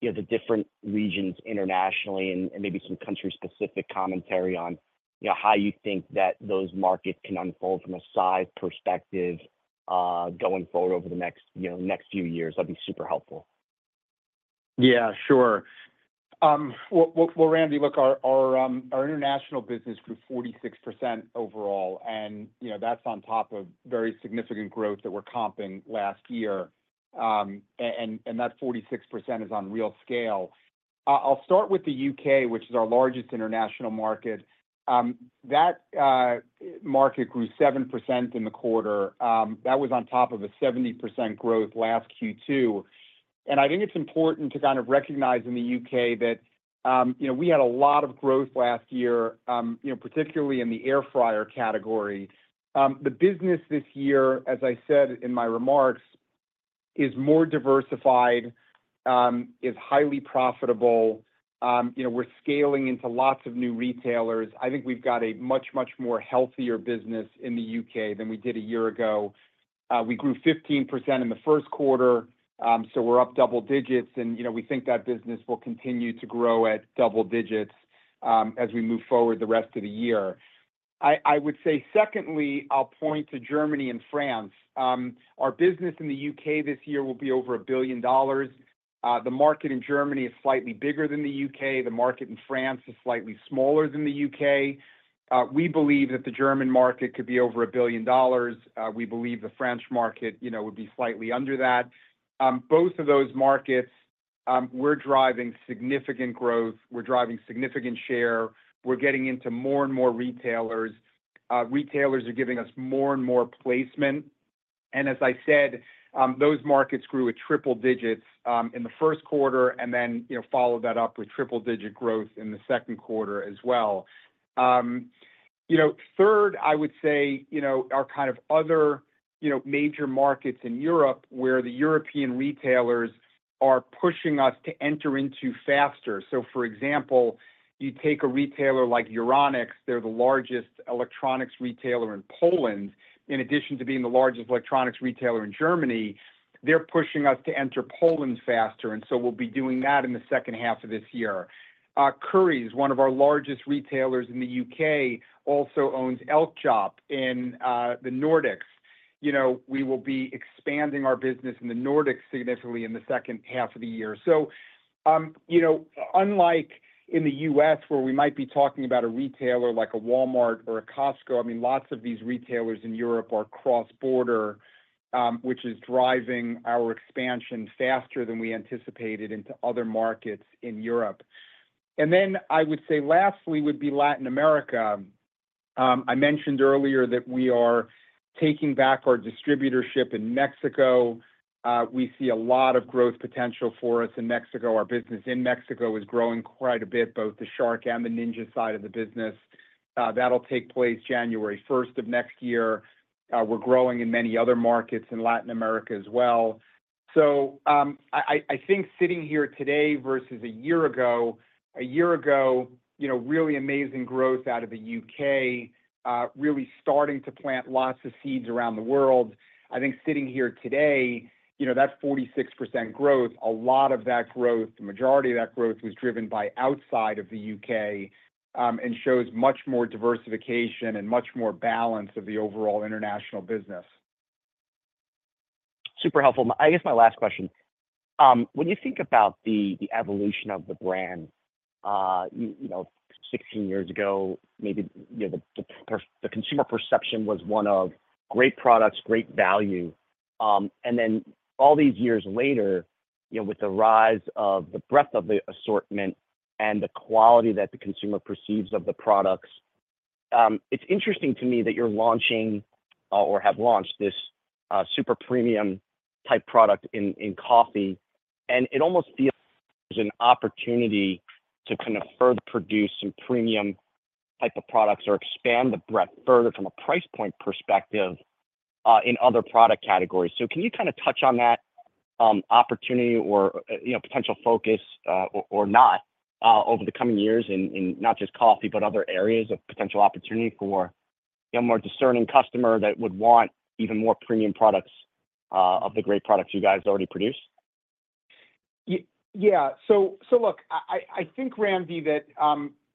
you know, the different regions internationally and maybe some country-specific commentary on, you know, how you think that those markets can unfold from a size perspective, going forward over the next, you know, next few years. That'd be super helpful. Yeah, sure. Well, Randy, look, our international business grew 46% overall, and, you know, that's on top of very significant growth that we're comping last year. And that 46% is on real scale. I'll start with the U.K., which is our largest international market. That market grew 7% in the quarter. That was on top of a 70% growth last Q2. And I think it's important to kind of recognize in the U.K. that, you know, we had a lot of growth last year, you know, particularly in the air fryer category. The business this year, as I said in my remarks, is more diversified, is highly profitable. You know, we're scaling into lots of new retailers. I think we've got a much, much more healthier business in the U.K. than we did a year ago. We grew 15% in the first quarter, so we're up double digits, and, you know, we think that business will continue to grow at double digits, as we move forward the rest of the year. I would say secondly, I'll point to Germany and France. Our business in the U.K. this year will be over $1 billion. The market in Germany is slightly bigger than the U.K. The market in France is slightly smaller than the U.K. We believe that the German market could be over $1 billion. We believe the French market, you know, would be slightly under that. Both of those markets, we're driving significant growth, we're driving significant share, we're getting into more and more retailers. Retailers are giving us more and more placement. And as I said, those markets grew at triple digits in the first quarter, and then, you know, followed that up with triple-digit growth in the second quarter as well. You know, third, I would say, you know, our kind of other, you know, major markets in Europe, where the European retailers are pushing us to enter into faster. So, for example, you take a retailer like Euronics, they're the largest electronics retailer in Poland, in addition to being the largest electronics retailer in Germany, they're pushing us to enter Poland faster, and so we'll be doing that in the second half of this year. Currys, one of our largest retailers in the U.K., also owns Elkjøp in the Nordics. You know, we will be expanding our business in the Nordics significantly in the second half of the year. You know, unlike in the U.S., where we might be talking about a retailer like a Walmart or a Costco, I mean, lots of these retailers in Europe are cross-border, which is driving our expansion faster than we anticipated into other markets in Europe. Then I would say lastly would be Latin America. I mentioned earlier that we are taking back our distributorship in Mexico. We see a lot of growth potential for us in Mexico. Our business in Mexico is growing quite a bit, both the Shark and the Ninja side of the business. That'll take place January first of next year. We're growing in many other markets in Latin America as well. So, I think sitting here today versus a year ago, a year ago, you know, really amazing growth out of the U.K., really starting to plant lots of seeds around the world. I think sitting here today, you know, that's 46% growth. A lot of that growth, the majority of that growth, was driven by outside of the U.K., and shows much more diversification and much more balance of the overall international business. Super helpful. I guess my last question, when you think about the evolution of the brand, you know, 16 years ago, maybe, you know, the consumer perception was one of great products, great value. And then all these years later, you know, with the rise of the breadth of the assortment and the quality that the consumer perceives of the products, it's interesting to me that you're launching or have launched this super premium-type product in coffee, and it almost feels there's an opportunity to kind of further produce some premium type of products or expand the breadth further from a price point perspective, in other product categories. Can you kind of touch on that, opportunity or, you know, potential focus, or not, over the coming years in not just coffee, but other areas of potential opportunity for, you know, a more discerning customer that would want even more premium products, of the great products you guys already produce? Yeah. So, so look, I think, Randy, that,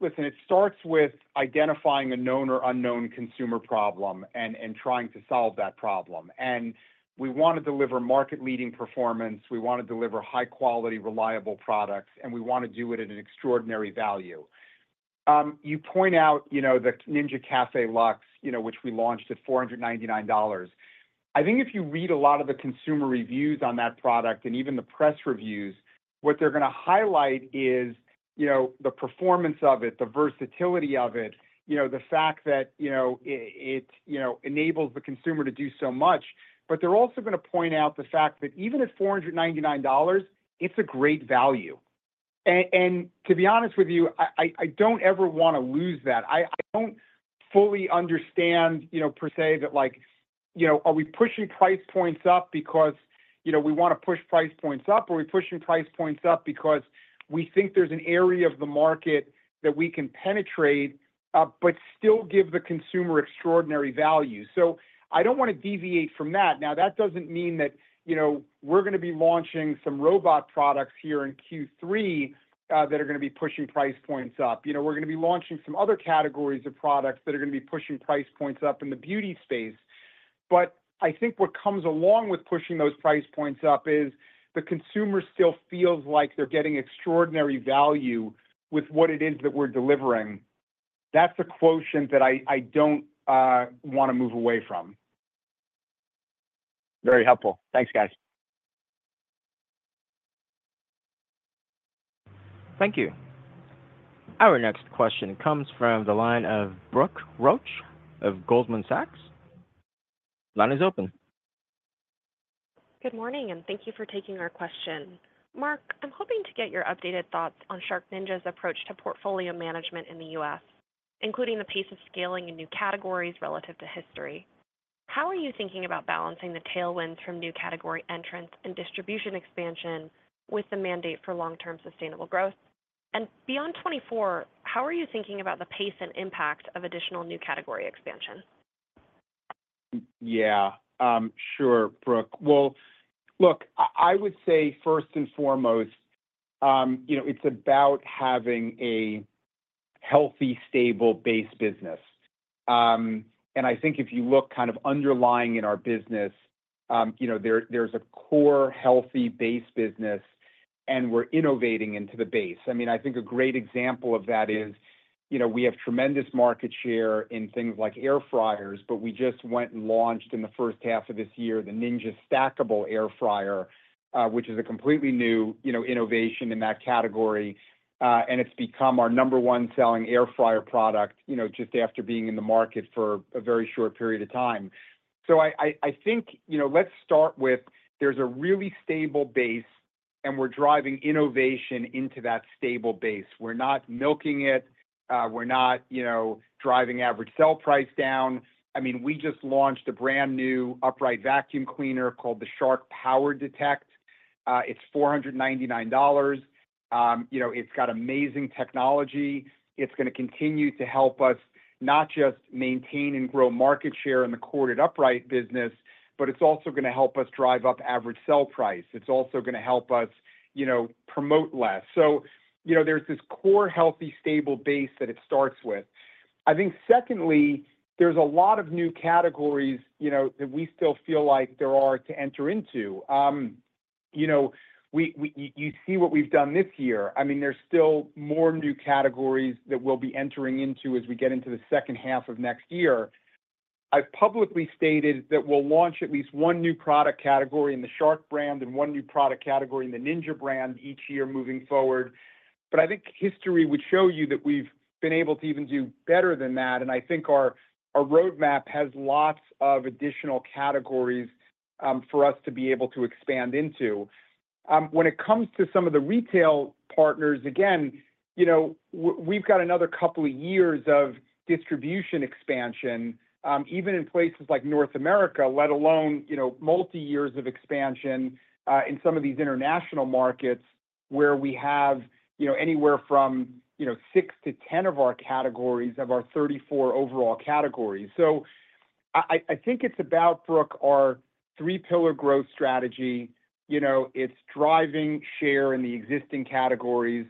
listen, it starts with identifying a known or unknown consumer problem and trying to solve that problem. And we want to deliver market-leading performance, we want to deliver high-quality, reliable products, and we want to do it at an extraordinary value. You point out, you know, the Ninja Luxe Café, you know, which we launched at $499. I think if you read a lot of the consumer reviews on that product and even the press reviews, what they're going to highlight is, you know, the performance of it, the versatility of it, you know, the fact that, you know, it enables the consumer to do so much. But they're also going to point out the fact that even at $499, it's a great value. To be honest with you, I don't ever want to lose that. I don't fully understand, you know, per se, that like, you know, are we pushing price points up because, you know, we want to push price points up, or are we pushing price points up because we think there's an area of the market that we can penetrate, but still give the consumer extraordinary value? So I don't want to deviate from that. Now, that doesn't mean that, you know, we're going to be launching some robot products here in Q3, that are going to be pushing price points up. You know, we're going to be launching some other categories of products that are going to be pushing price points up in the beauty space. But I think what comes along with pushing those price points up is the consumer still feels like they're getting extraordinary value with what it is that we're delivering. That's a quotient that I don't want to move away from. Very helpful. Thanks, guys. Thank you. Our next question comes from the line of Brooke Roach of Goldman Sachs. Line is open. Good morning, and thank you for taking our question. Mark, I'm hoping to get your updated thoughts on SharkNinja's approach to portfolio management in the U.S., including the pace of scaling in new categories relative to history, how are you thinking about balancing the tailwinds from new category entrants and distribution expansion with the mandate for long-term sustainable growth? And beyond 2024, how are you thinking about the pace and impact of additional new category expansion? Yeah, sure, Brooke. Well, look, I would say first and foremost, you know, it's about having a healthy, stable base business. And I think if you look kind of underlying in our business, you know, there, there's a core healthy base business, and we're innovating into the base. I mean, I think a great example of that is, you know, we have tremendous market share in things like air fryers, but we just went and launched in the first half of this year, the Ninja DoubleStack, which is a completely new, you know, innovation in that category. And it's become our number one selling air fryer product, you know, just after being in the market for a very short period of time. I think, you know, let's start with, there's a really stable base, and we're driving innovation into that stable base. We're not milking it. We're not, you know, driving average sell price down. I mean, we just launched a brand-new upright vacuum cleaner called the Shark PowerDetect. It's $499. You know, it's got amazing technology. It's gonna continue to help us not just maintain and grow market share in the corded upright business, but it's also gonna help us drive up average sell price. It's also gonna help us, you know, promote less. So, you know, there's this core, healthy, stable base that it starts with. I think secondly, there's a lot of new categories, you know, that we still feel like there are to enter into. You know, you see what we've done this year. I mean, there's still more new categories that we'll be entering into as we get into the second half of next year. I've publicly stated that we'll launch at least one new product category in the Shark brand and one new product category in the Ninja brand each year moving forward. But I think history would show you that we've been able to even do better than that, and I think our roadmap has lots of additional categories for us to be able to expand into. When it comes to some of the retail partners, again, you know, we've got another couple of years of distribution expansion, even in places like North America, let alone, you know, multiyears of expansion, in some of these international markets where we have, you know, anywhere from, you know, six to 10 of our categories of our 34 overall categories. So I think it's about, Brooke, our three-pillar growth strategy. You know, it's driving share in the existing categories.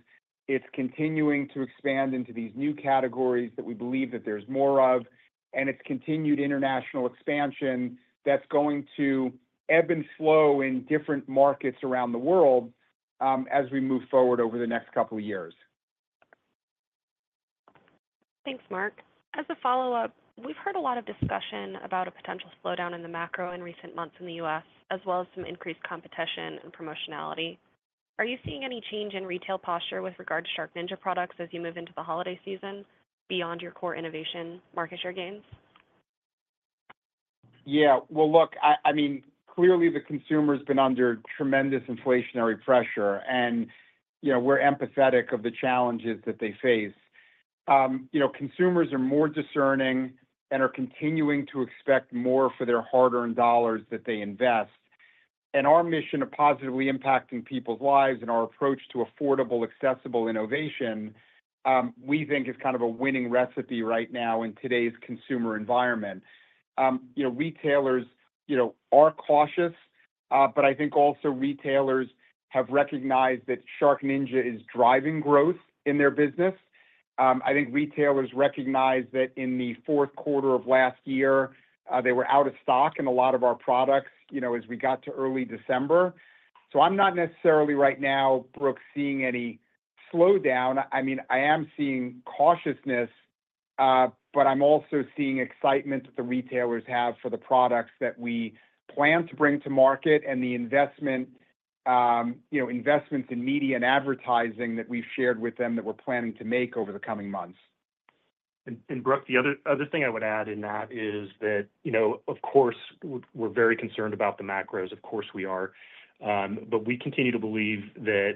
It's continuing to expand into these new categories that we believe that there's more of, and it's continued international expansion that's going to ebb and flow in different markets around the world, as we move forward over the next couple of years. Thanks, Mark. As a follow-up, we've heard a lot of discussion about a potential slowdown in the macro in recent months in the U.S., as well as some increased competition and promotionality. Are you seeing any change in retail posture with regard to SharkNinja products as you move into the holiday season beyond your core innovation, market share gains? Yeah. Well, look, I mean, clearly, the consumer's been under tremendous inflationary pressure, and, you know, we're empathetic of the challenges that they face. You know, consumers are more discerning and are continuing to expect more for their hard-earned dollars that they invest. And our mission of positively impacting people's lives and our approach to affordable, accessible innovation, we think is kind of a winning recipe right now in today's consumer environment. You know, retailers, you know, are cautious, but I think also retailers have recognized that SharkNinja is driving growth in their business. I think retailers recognize that in the fourth quarter of last year, they were out of stock in a lot of our products, you know, as we got to early December. So I'm not necessarily right now, Brooke, seeing any slowdown. I mean, I am seeing cautiousness, but I'm also seeing excitement that the retailers have for the products that we plan to bring to market and the investment, you know, investments in media and advertising that we've shared with them that we're planning to make over the coming months. And Brooke, the other thing I would add in that is that, you know, of course, we're very concerned about the macros. Of course, we are. But we continue to believe that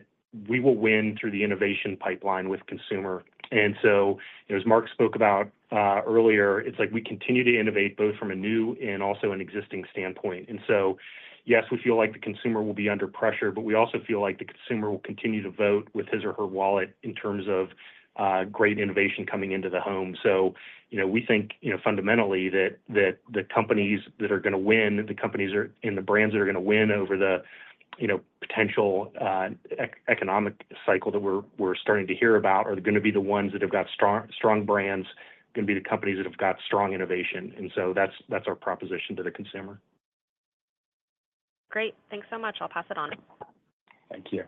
we will win through the innovation pipeline with consumer. And so, as Mark spoke about earlier, it's like we continue to innovate, both from a new and also an existing standpoint. And so, yes, we feel like the consumer will be under pressure, but we also feel like the consumer will continue to vote with his or her wallet in terms of great innovation coming into the home. So you know, we think, you know, fundamentally that the companies that are gonna win, the companies are and the brands that are gonna win over the, you know, potential economic cycle that we're starting to hear about are gonna be the ones that have got strong, strong brands, gonna be the companies that have got strong innovation, and so that's our proposition to the consumer. Great. Thanks so much. I'll pass it on. Thank you.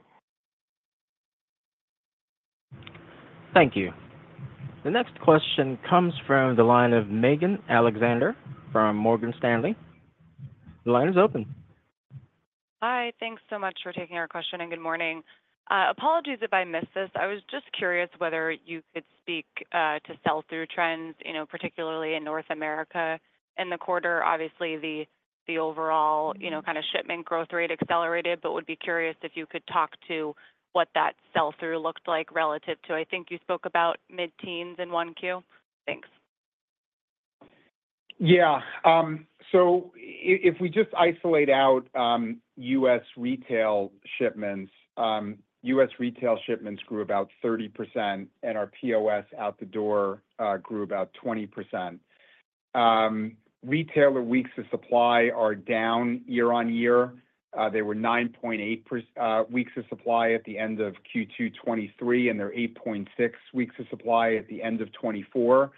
Thank you. The next question comes from the line of Megan Alexander from Morgan Stanley. The line is open. Hi, thanks so much for taking our question, and good morning. Apologies if I missed this. I was just curious whether you could speak to sell-through trends, you know, particularly in North America in the quarter. Obviously, the overall, you know, kind of shipment growth rate accelerated, but would be curious if you could talk to what that sell-through looked like relative to, I think you spoke about mid-teens in 1Q. Thanks. .Yeah. So if we just isolate out U.S. retail shipments, U.S. retail shipments grew about 30%, and our POS out the door grew about 20%. Retailer weeks of supply are down year-over-year. They were 9.8 weeks of supply at the end of Q2 2023, and they're 8.6 weeks of supply at the end of 2024.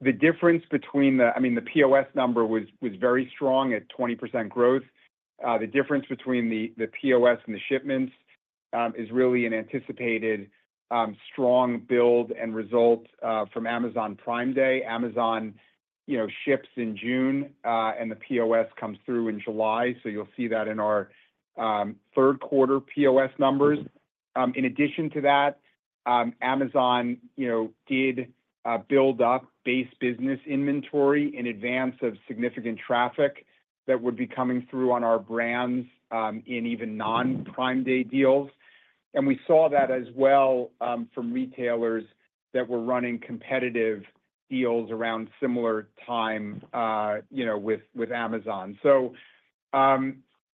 The difference between the, I mean, the POS number was very strong at 20% growth. The difference between the POS and the shipments is really an anticipated strong build and result from Amazon Prime Day. Amazon, you know, ships in June, and the POS comes through in July, so you'll see that in our third quarter POS numbers. In addition to that, Amazon, you know, did build up base business inventory in advance of significant traffic that would be coming through on our brands, in even non-Prime Day deals. And we saw that as well, from retailers that were running competitive deals around similar time, you know, with Amazon. So,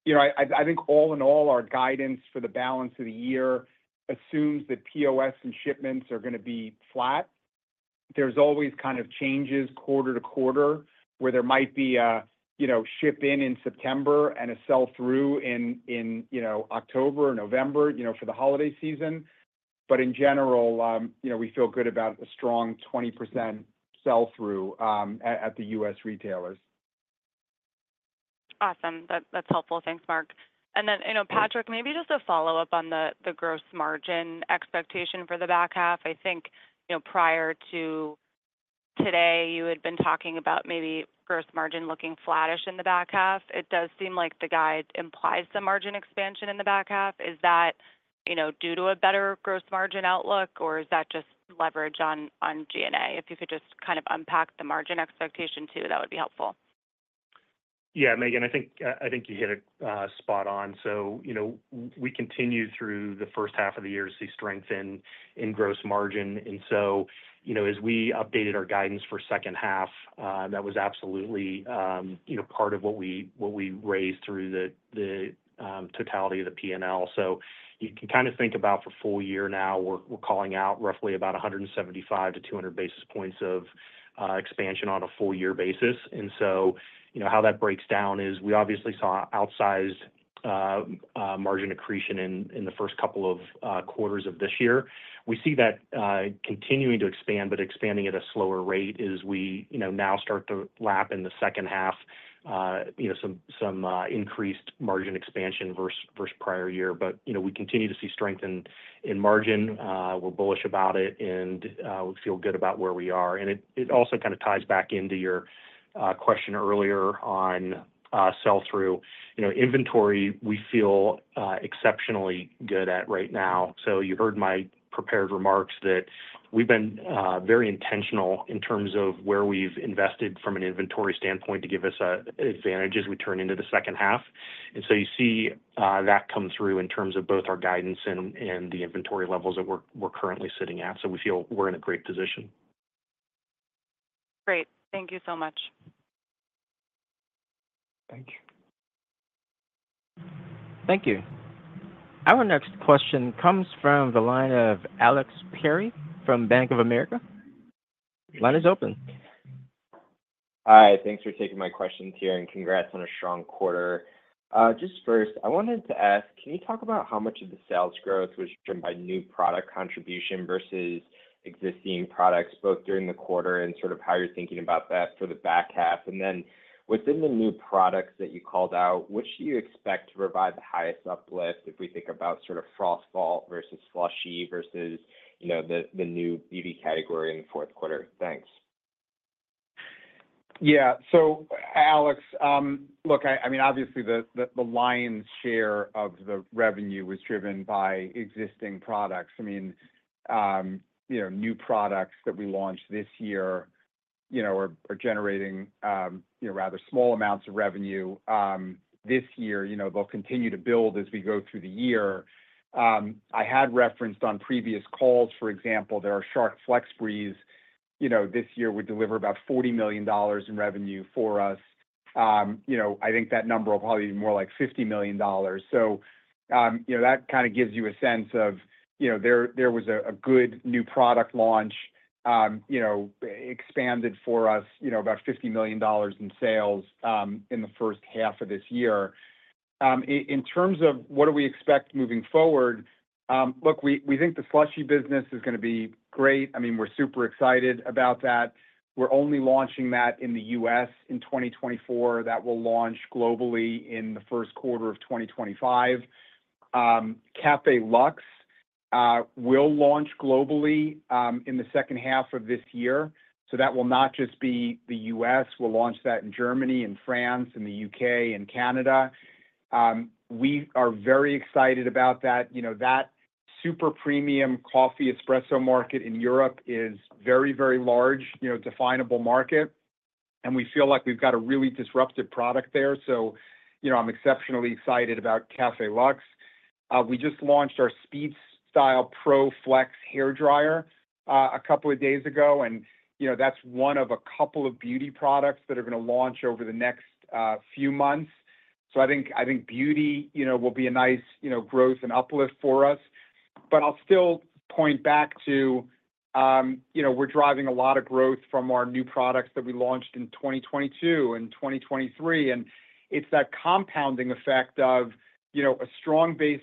you know, I think all in all, our guidance for the balance of the year assumes that POS and shipments are gonna be flat. There's always kind of changes quarter to quarter, where there might be a ship in September and a sell-through in October or November, you know, for the holiday season. But in general, you know, we feel good about a strong 20% sell-through at the U.S. retailers. Awesome. That, that's helpful. Thanks, Mark. And then, you know, Patraic, maybe just a follow-up on the gross margin expectation for the back half. I think, you know, prior to today, you had been talking about maybe gross margin looking flattish in the back half. It does seem like the guide implies some margin expansion in the back half. Is that, you know, due to a better gross margin outlook, or is that just leverage on G&A? If you could just kind of unpack the margin expectation too, that would be helpful. Yeah, Megan, I think, I think you hit it, spot on. So, you know, we continued through the first half of the year to see strength in, in gross margin. And so, you know, as we updated our guidance for second half, that was absolutely, you know, part of what we, what we raised through the, the, totality of the P&L. So you can kind of think about for full year now, we're, we're calling out roughly about 175 to 200 basis points of, expansion on a full year basis. And so, you know, how that breaks down is we obviously saw outsized, margin accretion in, in the first couple of, quarters of this year. We see that continuing to expand, but expanding at a slower rate as we, you know, now start to lap in the second half, you know, some increased margin expansion versus prior year. But, you know, we continue to see strength in margin. We're bullish about it, and we feel good about where we are. And it also kind of ties back into your question earlier on sell-through. You know, inventory, we feel exceptionally good at right now. So you heard my prepared remarks that we've been very intentional in terms of where we've invested from an inventory standpoint to give us an advantage as we turn into the second half. And so you see that come through in terms of both our guidance and the inventory levels that we're currently sitting at. We feel we're in a great position. Great. Thank you so much. Thank you. Thank you. Our next question comes from the line of Alex Perry from Bank of America. Line is open. Hi, thanks for taking my questions here, and congrats on a strong quarter. Just first, I wanted to ask, can you talk about how much of the sales growth was driven by new product contribution versus existing products, both during the quarter and sort of how you're thinking about that for the back half? And then, within the new products that you called out, which do you expect to provide the highest uplift if we think about sort of FrostVault versus SLUSHi versus, you know, the new beauty category in the fourth quarter? Thanks. Yeah. So Alex, look, I mean, obviously the lion's share of the revenue was driven by existing products. I mean, you know, new products that we launched this year, you know, are generating, you know, rather small amounts of revenue. This year, you know, they'll continue to build as we go through the year. I had referenced on previous calls, for example, that our Shark FlexBreeze, you know, this year would deliver about $40 million in revenue for us. You know, I think that number will probably be more like $50 million. So, you know, that kind of gives you a sense of, you know, there was a good new product launch expanded for us, you know, about $50 million in sales, in the first half of this year. In terms of what do we expect moving forward, look, we think the SLUSHi business is gonna be great. I mean, we're super excited about that. We're only launching that in the U.S. in 2024. That will launch globally in the first quarter of 2025. Luxe Café will launch globally in the second half of this year, so that will not just be the U.S. We'll launch that in Germany and France and the U.K. and Canada. We are very excited about that. You know, that super premium coffee espresso market in Europe is very, very large, you know, definable market, and we feel like we've got a really disruptive product there. So, you know, I'm exceptionally excited about Luxe Café. We just launched our SpeedStyle Pro FLEX hairdryer a couple of days ago, and, you know, that's one of a couple of beauty products that are gonna launch over the next few months. So I think, I think beauty, you know, will be a nice, you know, growth and uplift for us. But I'll still point back to, you know, we're driving a lot of growth from our new products that we launched in 2022 and 2023, and it's that compounding effect of, you know, a strong base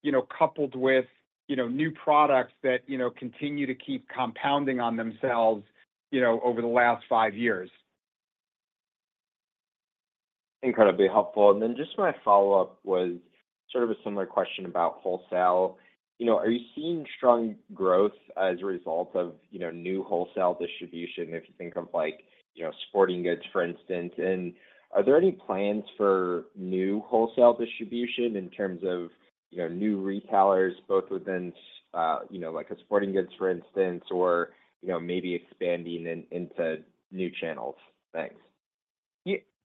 business, you know, coupled with, you know, new products that, you know, continue to keep compounding on themselves, you know, over the last five years. Incredibly helpful. Then just my follow-up was sort of a similar question about wholesale. You know, are you seeing strong growth as a result of, you know, new wholesale distribution, if you think of like, you know, sporting goods, for instance? And are there any plans for new wholesale distribution in terms of, you know, new retailers, both within, you know, like a sporting goods, for instance, or, you know, maybe expanding into new channels? Thanks.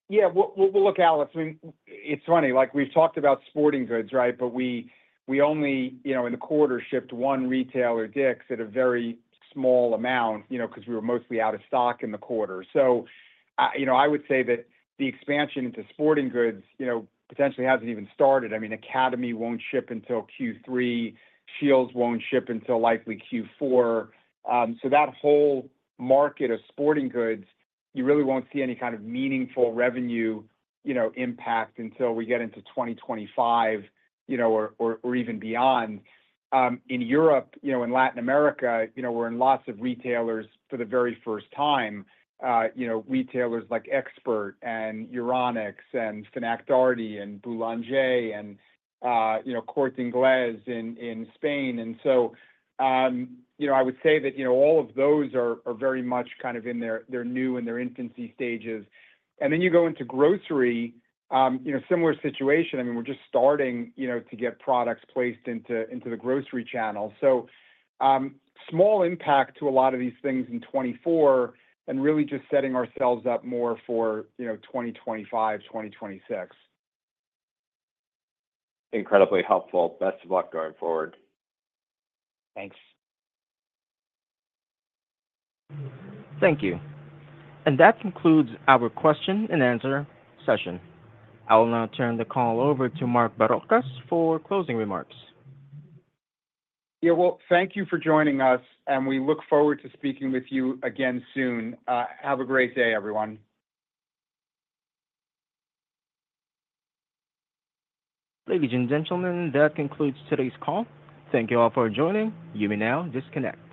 Yeah. Well, well, look, Alex, I mean, it's funny, like, we've talked about sporting goods, right? But we, we only, you know, in the quarter, shipped one retailer, Dick's, at a very small amount, you know, 'cause we were mostly out of stock in the quarter. So, you know, I would say that the expansion into sporting goods, you know, potentially hasn't even started. I mean, Academy won't ship until Q3, Scheels won't ship until likely Q4. So that whole market of sporting goods, you really won't see any kind of meaningful revenue, you know, impact until we get into 2025, you know, or, or, or even beyond. In Europe, you know, in Latin America, you know, we're in lots of retailers for the very first time. You know, retailers like Expert and Euronics and Fnac Darty and Boulanger and, you know, Corte Inglés in Spain. So, you know, I would say that, you know, all of those are very much kind of in their new and their infancy stages. Then you go into grocery, you know, similar situation. I mean, we're just starting, you know, to get products placed into the grocery channel. So, small impact to a lot of these things in 2024, and really just setting ourselves up more for, you know, 2025, 2026. Incredibly helpful. Best of luck going forward. Thanks. Thank you. That concludes our question and answer session. I will now turn the call over to Mark Barrocas for closing remarks. Yeah, well, thank you for joining us, and we look forward to speaking with you again soon. Have a great day, everyone. Ladies and gentlemen, that concludes today's call. Thank you all for joining. You may now disconnect.